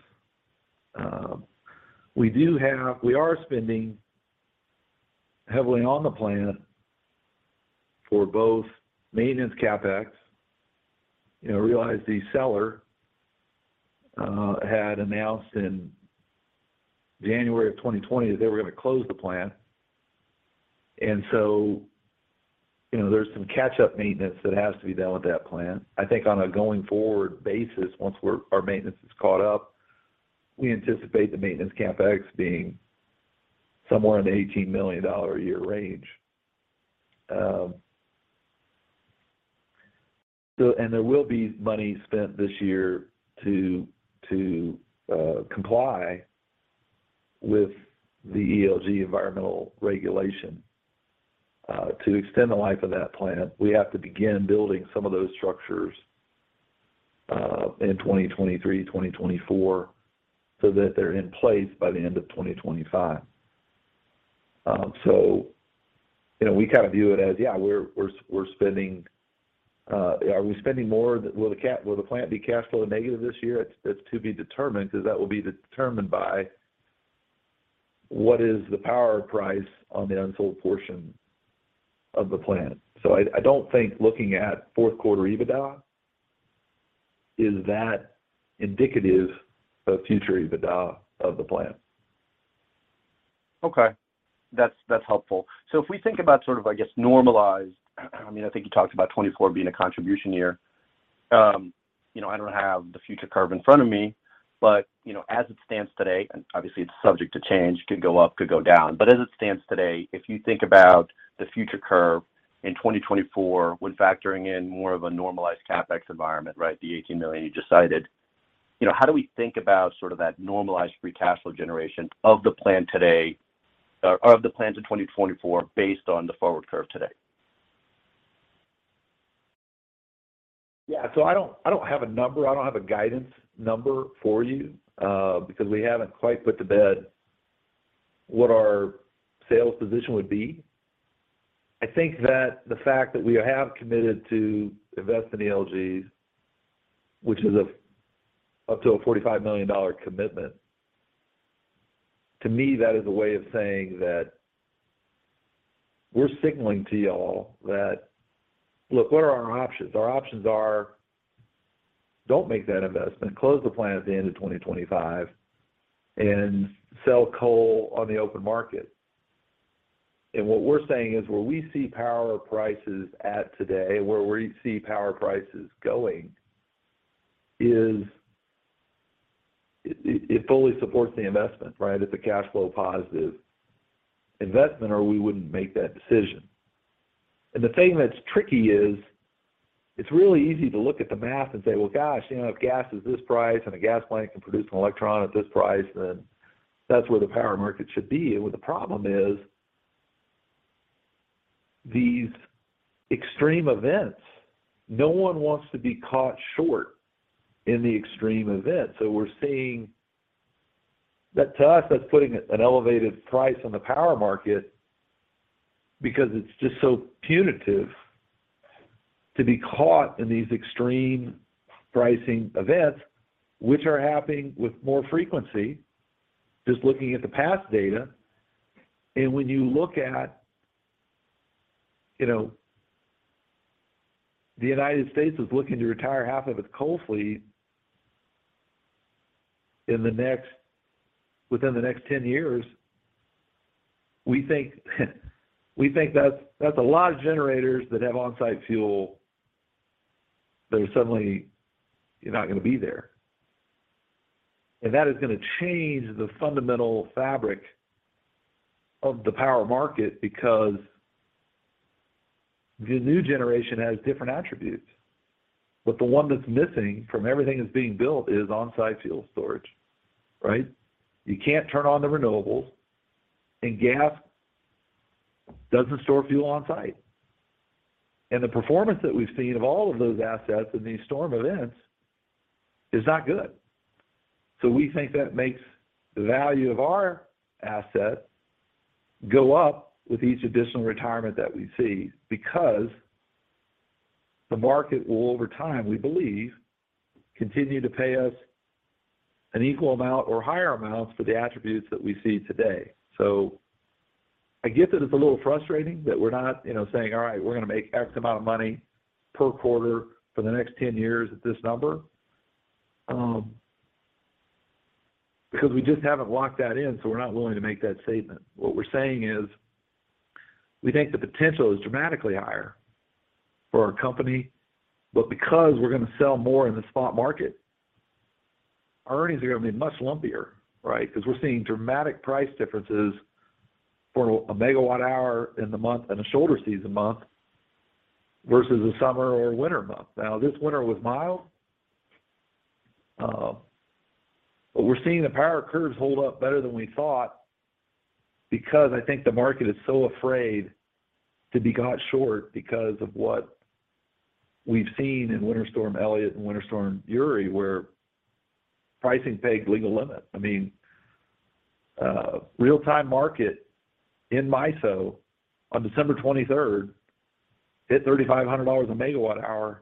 S4: We are spending heavily on the plant for both maintenance CapEx. You know, realize the seller had announced in January of 2020 that they were gonna close the plant. You know, there's some catch-up maintenance that has to be done with that plant. I think on a going forward basis, once our maintenance is caught up, we anticipate the maintenance CapEx being somewhere in the $18 million a year range. There will be money spent this year to comply with the ELG environmental regulation. To extend the life of that plant, we have to begin building some of those structures in 2023, 2024, so that they're in place by the end of 2025. You know, we kind of view it as, yeah, we're spending. Are we spending more? Will the plant be cash flow negative this year? It's to be determined, 'cause that will be determined by what is the power price on the unsold portion of the plant. I don't think looking at fourth quarter EBITDA is that indicative of future EBITDA of the plant.
S8: Okay. That's helpful. If we think about sort of, I guess, normalized, I mean, I think you talked about 2024 being a contribution year. You know, I don't have the future curve in front of me, but, you know, as it stands today, and obviously it's subject to change, could go up, could go down. As it stands today, if you think about the future curve in 2024, when factoring in more of a normalized CapEx environment, right? The $18 million you just cited. You know, how do we think about sort of that normalized free cash flow generation of the plan today or of the plan to 2024 based on the forward curve today?
S4: Yeah. I don't, I don't have a number, I don't have a guidance number for you, because we haven't quite put to bed what our sales position would be. I think that the fact that we have committed to invest in ELGs, which is up to a $45 million commitment. To me, that is a way of saying that we're signaling to y'all that... Look, what are our options? Our options are don't make that investment, close the plant at the end of 2025, and sell coal on the open market. What we're saying is, where we see power prices at today, where we see power prices going is it fully supports the investment, right? It's a cash flow positive investment or we wouldn't make that decision. The thing that's tricky is it's really easy to look at the math and say, "Well, gosh, you know, if gas is this price and a gas plant can produce an electron at this price, then that's where the power market should be." What the problem is these extreme events, no one wants to be caught short in the extreme event. We're seeing that to us, that's putting an elevated price on the power market because it's just so punitive to be caught in these extreme pricing events, which are happening with more frequency, just looking at the past data. When you look at, you know, the United States is looking to retire half of its coal fleet within the next 10 years, we think that's a lot of generators that have on-site fuel that are suddenly not gonna be there. That is gonna change the fundamental fabric of the power market because. The new generation has different attributes, but the one that's missing from everything that's being built is on-site fuel storage, right? You can't turn on the renewables and gas doesn't store fuel on-site. The performance that we've seen of all of those assets in these storm events is not good. We think that makes the value of our asset go up with each additional retirement that we see because the market will, over time, we believe, continue to pay us an equal amount or higher amounts for the attributes that we see today. I get that it's a little frustrating that we're not, you know, saying, "All right, we're going to make X amount of money per quarter for the next 10 years at this number." Because we just haven't locked that in, so we're not willing to make that statement. What we're saying is we think the potential is dramatically higher for our company. Because we're going to sell more in the spot market, our earnings are going to be much lumpier, right? Because we're seeing dramatic price differences for a megawatt-hour in a shoulder season month versus a summer or winter month. Now, this winter was mild, but we're seeing the power curves hold up better than we thought because I think the market is so afraid to be caught short because of what we've seen in Winter Storm Elliott and Winter Storm Uri, where pricing pegged legal limits. I mean, real-time market in MISO on December 23rd hit $3,500/MWh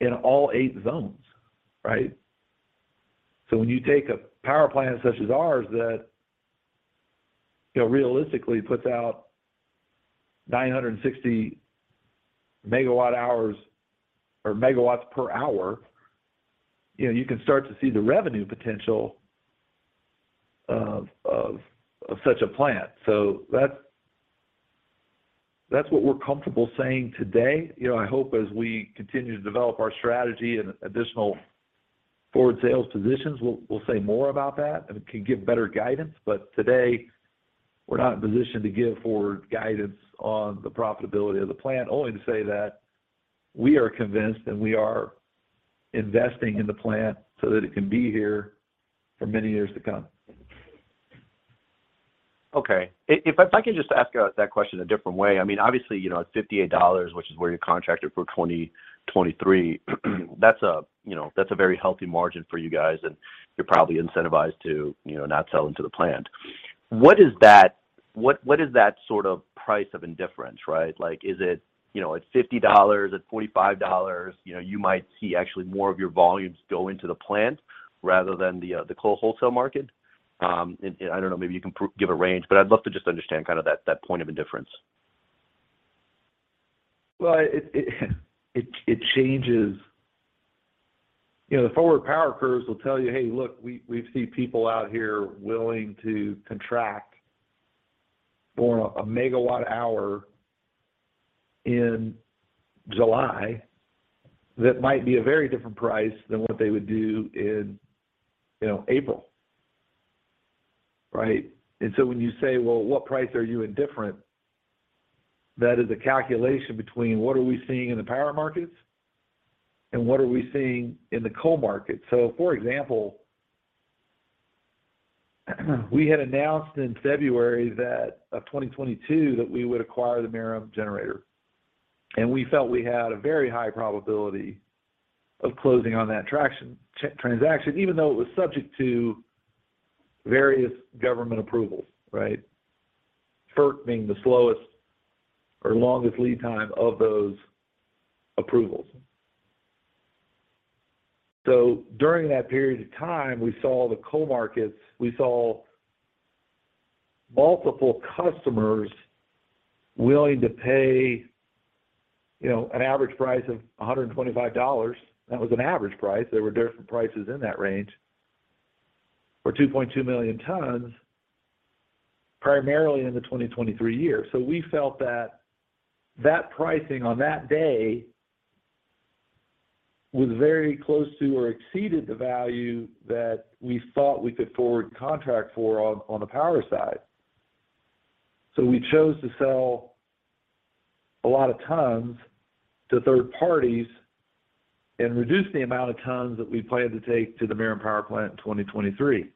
S4: in all eight zones, right? When you take a power plant such as ours that, you know, realistically puts out 960 MWh or MW/h, you know, you can start to see the revenue potential of such a plant. That's what we're comfortable saying today. You know, I hope as we continue to develop our strategy and additional forward sales positions, we'll say more about that and can give better guidance. Today, we're not in a position to give forward guidance on the profitability of the plant only to say that we are convinced and we are investing in the plant so that it can be here for many years to come.
S8: Okay. If I could just ask that question a different way. I mean, obviously, you know, at $58, which is where you're contracted for 2023, that's a, you know, that's a very healthy margin for you guys, and you're probably incentivized to, you know, not sell into the plant. What is that sort of price of indifference, right? Like, is it, you know, at $50, at $45, you know, you might see actually more of your volumes go into the plant rather than the coal wholesale market? I don't know, maybe you can give a range, but I'd love to just understand kind of that point of indifference.
S4: Well, it changes. You know, the forward power curves will tell you, "Hey, look, we see people out here willing to contract for a megawatt-hour in July that might be a very different price than what they would do in, you know, April." Right. When you say, "Well, what price are you indifferent?" That is a calculation between what are we seeing in the power markets and what are we seeing in the coal market. For example, we had announced in February of 2022 that we would acquire the Merom generator, and we felt we had a very high probability of closing on that transaction, even though it was subject to various government approvals, right. FERC being the slowest or longest lead time of those approvals. During that period of time, we saw multiple customers willing to pay, you know, an average price of $125. That was an average price. There were different prices in that range for 2.2 million tons, primarily in the 2023 year. We felt that that pricing on that day was very close to or exceeded the value that we thought we could forward contract for on the power side. We chose to sell a lot of tons to third parties and reduce the amount of tons that we planned to take to the Merom Power Plant in 2023.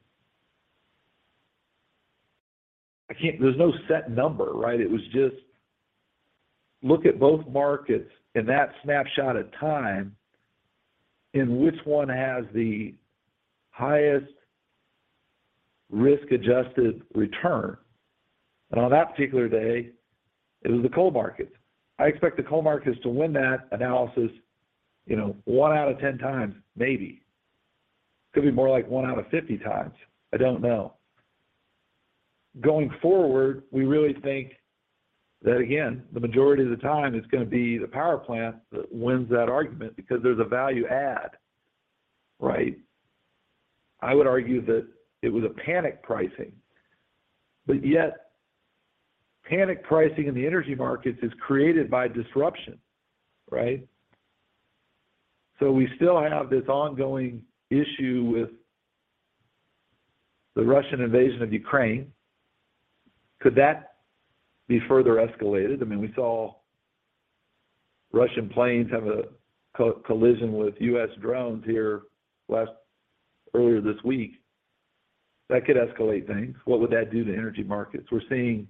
S4: There's no set number, right? It was just look at both markets in that snapshot of time and which one has the highest risk-adjusted return. On that particular day, it was the coal market. I expect the coal market is to win that analysis, you know, one out of 10x, maybe. Could be more like one out of 50x. I don't know. Going forward, we really think that, again, the majority of the time it's gonna be the power plant that wins that argument because there's a value add, right? I would argue that it was a panic pricing. Panic pricing in the energy markets is created by disruption, right? We still have this ongoing issue. The Russian invasion of Ukraine, could that be further escalated? I mean, we saw Russian planes have a collision with U.S. drones here earlier this week. That could escalate things. What would that do to energy markets? We're seeing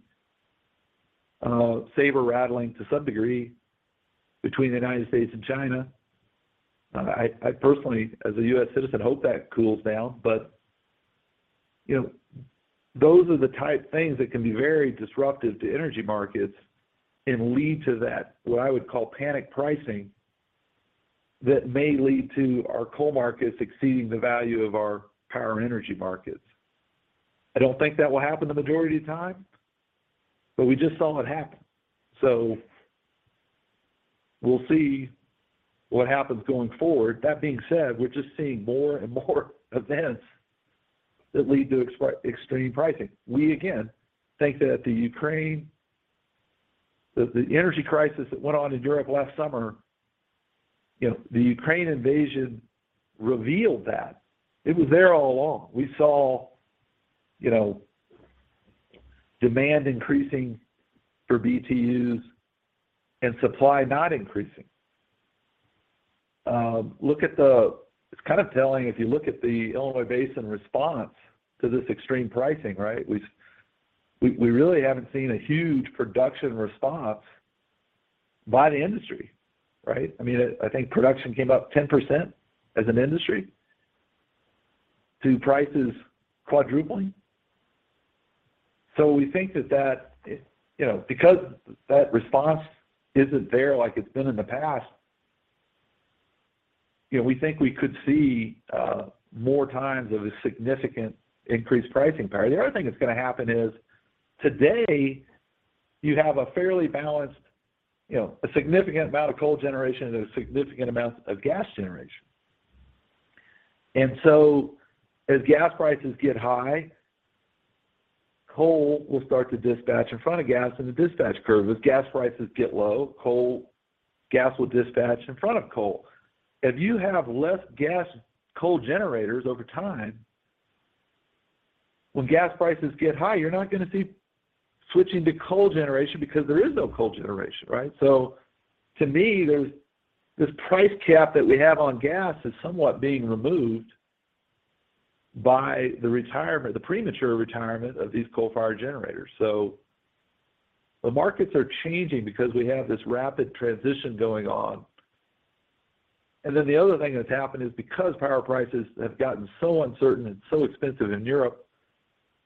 S4: saber-rattling to some degree between the United States and China. I personally, as a U.S. citizen, hope that cools down. You know, those are the type of things that can be very disruptive to energy markets and lead to that, what I would call panic pricing, that may lead to our coal markets exceeding the value of our power energy markets. I don't think that will happen the majority of the time, but we just saw it happen. We'll see what happens going forward. That being said, we're just seeing more and more events that lead to extreme pricing. We again think that the Ukraine, the energy crisis that went on in Europe last summer, you know, the Ukraine invasion revealed that. It was there all along. We saw, you know, demand increasing for BTUs and supply not increasing. It's kind of telling, if you look at the Illinois Basin response to this extreme pricing, right? We really haven't seen a huge production response by the industry, right? I mean, I think production came up 10% as an industry to prices quadrupling. We think that, you know, because that response isn't there like it's been in the past, you know, we think we could see more times of a significant increased pricing power. The other thing that's going to happen is today you have a fairly balanced, you know, a significant amount of coal generation and a significant amount of gas generation. As gas prices get high, coal will start to dispatch in front of gas in the dispatch curve. As gas prices get low, gas will dispatch in front of coal. If you have less gas coal generators over time, when gas prices get high, you're not going to see switching to coal generation because there is no coal generation, right? To me, there's this price cap that we have on gas is somewhat being removed by the retirement, the premature retirement of these coal-fired generators. The markets are changing because we have this rapid transition going on. The other thing that's happened is because power prices have gotten so uncertain and so expensive in Europe,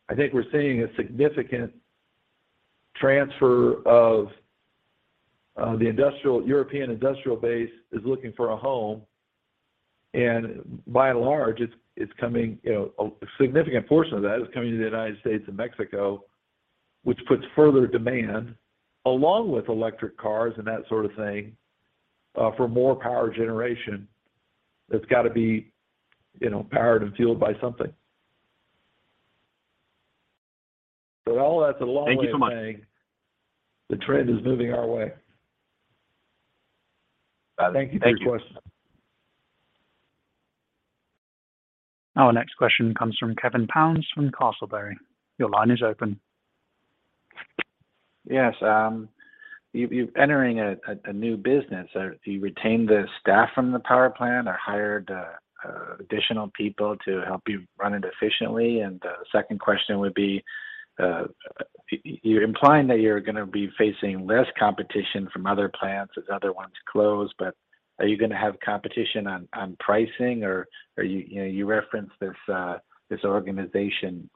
S4: I think we're seeing a significant transfer of the European industrial base is looking for a home, and by and large, it's coming, you know, a significant portion of that is coming to the United States and Mexico, which puts further demand along with electric cars and that sort of thing, for more power generation that's got to be, you know, powered and fueled by something. All that's a long way of saying.
S8: Thank you so much....
S4: the trend is moving our way. Thank you for your question.
S8: Thank you.
S1: Our next question comes from Kevin Pounds from Castlebury. Your line is open.
S9: Yes. You're entering a new business. Do you retain the staff from the power plant or hired additional people to help you run it efficiently? The second question would be, you're implying that you're gonna be facing less competition from other plants as other ones close, but are you gonna have competition on pricing or are you know, you referenced this organization,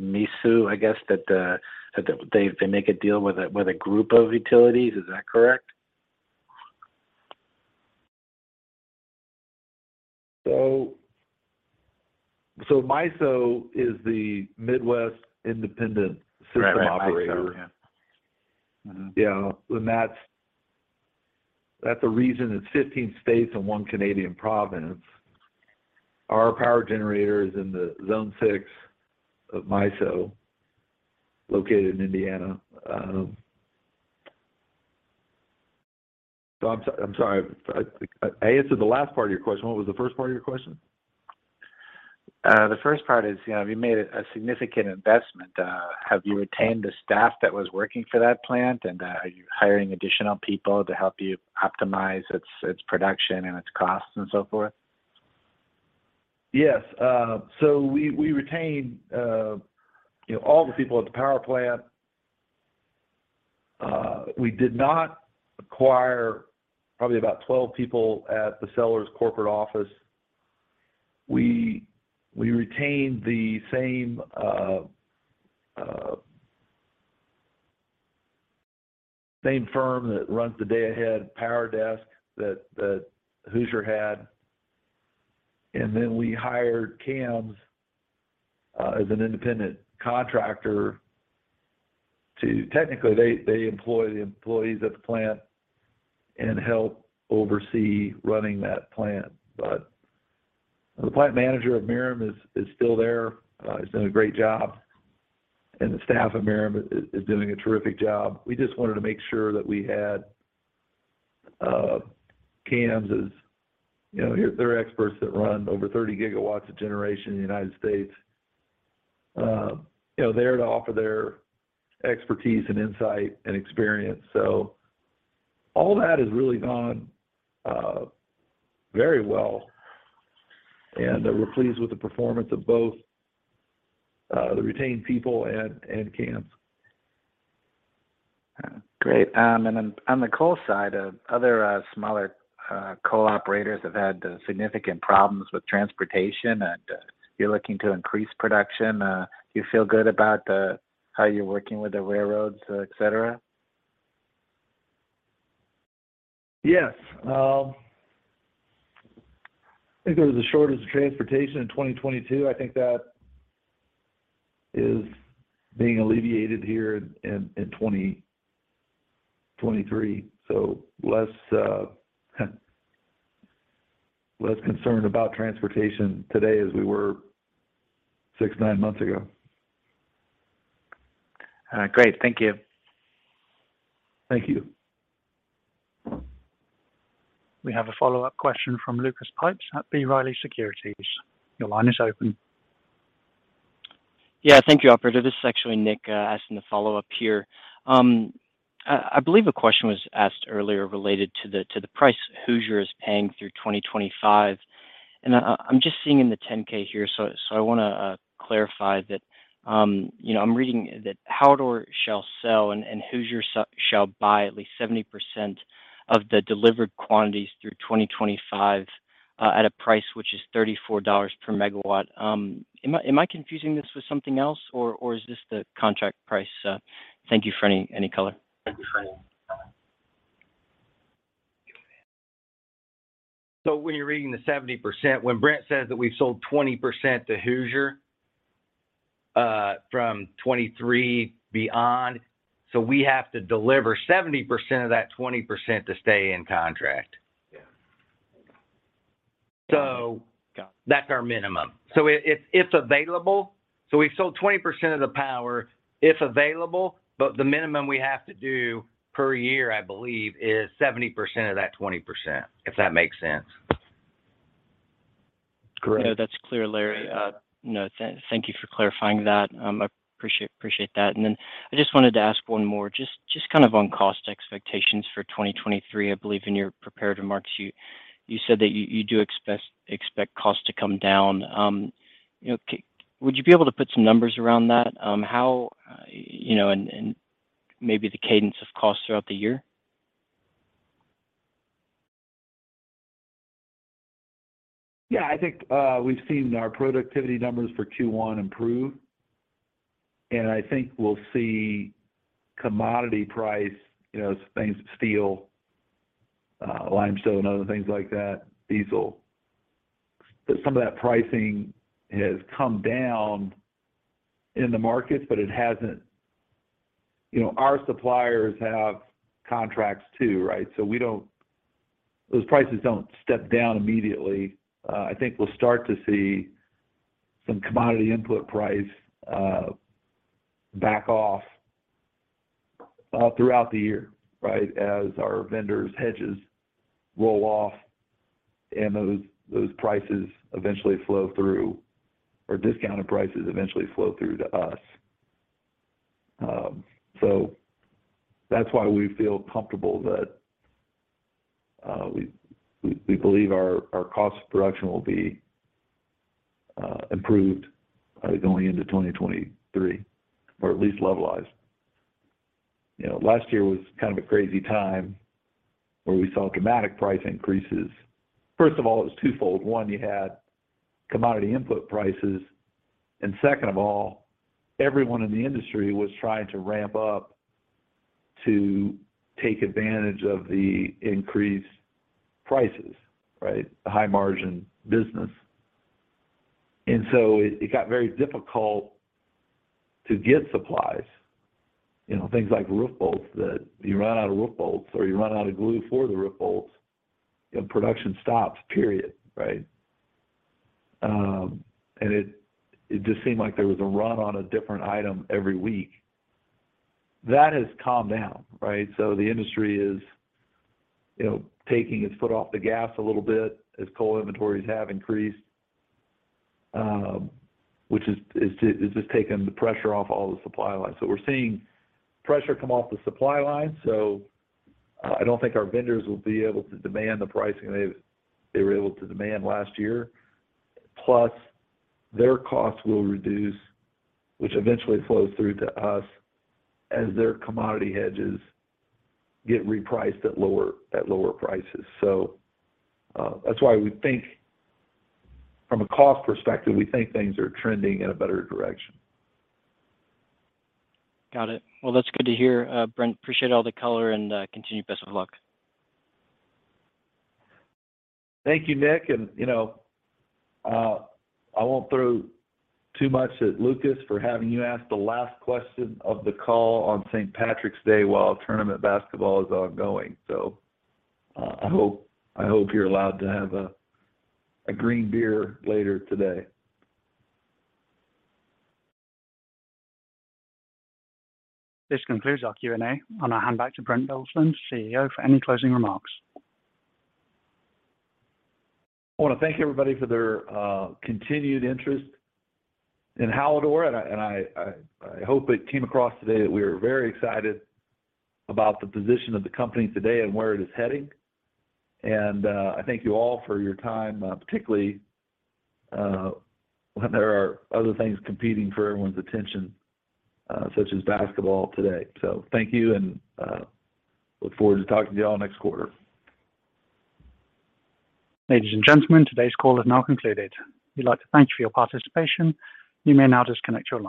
S9: MISO, I guess, that they make a deal with a group of utilities. Is that correct?
S4: MISO is the Midcontinent Independent System Operator.
S9: Right. MISO, yeah. Mm-hmm.
S4: Yeah. That's a region that's 15 states and one Canadian province. Our power generator is in the Zone 6 of MISO, located in Indiana. I'm sorry. I answered the last part of your question. What was the first part of your question?
S9: The first part is, you know, you made a significant investment. Have you retained the staff that was working for that plant, and are you hiring additional people to help you optimize its production and its costs and so forth?
S4: Yes. So we retained, you know, all the people at the power plant. We did not acquire probably about 12 people at the seller's corporate office. We retained the same firm that runs the day-ahead power desk that Hoosier had. We hired CAMS as an independent contractor technically, they employ the employees at the plant and help oversee running that plant. The plant manager of Merom is still there. He's doing a great job, and the staff of Merom is doing a terrific job. We just wanted to make sure that we had. CAMS is, you know, they're experts that run over 30 GW of generation in the United States. You know, they're there to offer their expertise and insight and experience. All that has really gone very well, and we're pleased with the performance of both the retained people and CAMS.
S9: Great. On the coal side, other, smaller, coal operators have had significant problems with transportation, and you're looking to increase production. You feel good about how you're working with the railroads, et cetera?
S4: Yes. I think there was a shortage of transportation in 2022. I think that is being alleviated here in, in 2023. Less, less concerned about transportation today as we were six, nine months ago.
S9: Great. Thank you.
S4: Thank you.
S1: We have a follow-up question from Lucas Pipes at B. Riley Securities. Your line is open.
S10: Thank you, operator. This is actually Nick, asking the follow-up here. I believe a question was asked earlier related to the, to the price Hoosier is paying through 2025. I'm just seeing in the 10-K here, so I want to clarify that. I'm reading that Hallador shall sell and Hoosier shall buy at least 70% of the delivered quantities through 2025, at a price which is $34/MW. Am I confusing this with something else or is this the contract price? Thank you for any color.
S3: When you're reading the 70%, when Brent says that we've sold 20% to Hoosier, from 2023 beyond, so we have to deliver 70% of that 20% to stay in contract. Yeah. That's our minimum. If it's available, we've sold 20% of the power, if available, but the minimum we have to do per year, I believe, is 70% of that 20%, if that makes sense.
S10: Great. No, that's clear, Larry. No, thank you for clarifying that. I appreciate that. Then I just wanted to ask one more just kind of on cost expectations for 2023. I believe in your prepared remarks you said that you do expect costs to come down. you know, would you be able to put some numbers around that? how, you know, and maybe the cadence of costs throughout the year?
S4: I think we've seen our productivity numbers for Q1 improve, and I think we'll see commodity price, you know, things, steel, limestone, other things like that, diesel. Some of that pricing has come down in the markets, but it hasn't. You know, our suppliers have contracts too, right? Those prices don't step down immediately. I think we'll start to see some commodity input price back off throughout the year, right, as our vendors' hedges roll off and those prices eventually flow through or discounted prices eventually flow through to us. That's why we feel comfortable that we believe our cost of production will be improved going into 2023, or at least levelized. You know, last year was kind of a crazy time where we saw dramatic price increases. First of all, it was twofold. One, you had commodity input prices, and second of all, everyone in the industry was trying to ramp up to take advantage of the increased prices, right? The high margin business. It got very difficult to get supplies. You know, things like roof bolts that you run out of roof bolts or you run out of glue for the roof bolts, and production stops, period. Right? It just seemed like there was a run on a different item every week. That has calmed down, right? The industry is, you know, taking its foot off the gas a little bit as coal inventories have increased, which is just taking the pressure off all the supply lines. We're seeing pressure come off the supply line. I don't think our vendors will be able to demand the pricing they were able to demand last year. Their costs will reduce, which eventually flows through to us as their commodity hedges get repriced at lower prices. That's why we think from a cost perspective, we think things are trending in a better direction.
S10: That's good to hear, Brent. Appreciate all the color and continued best of luck.
S4: Thank you, Nick. You know, I won't throw too much at Lucas for having you ask the last question of the call on St. Patrick's Day while tournament basketball is ongoing. I hope you're allowed to have a green beer later today.
S1: This concludes our Q&A. I hand back to Brent Bilsland, CEO, for any closing remarks.
S4: I wanna thank everybody for their continued interest in Hallador, and I hope it came across today that we are very excited about the position of the company today and where it is heading. I thank you all for your time, particularly when there are other things competing for everyone's attention, such as basketball today. Thank you and look forward to talking to you all next quarter.
S1: Ladies and gentlemen, today's call is now concluded. We'd like to thank you for your participation. You may now disconnect your line.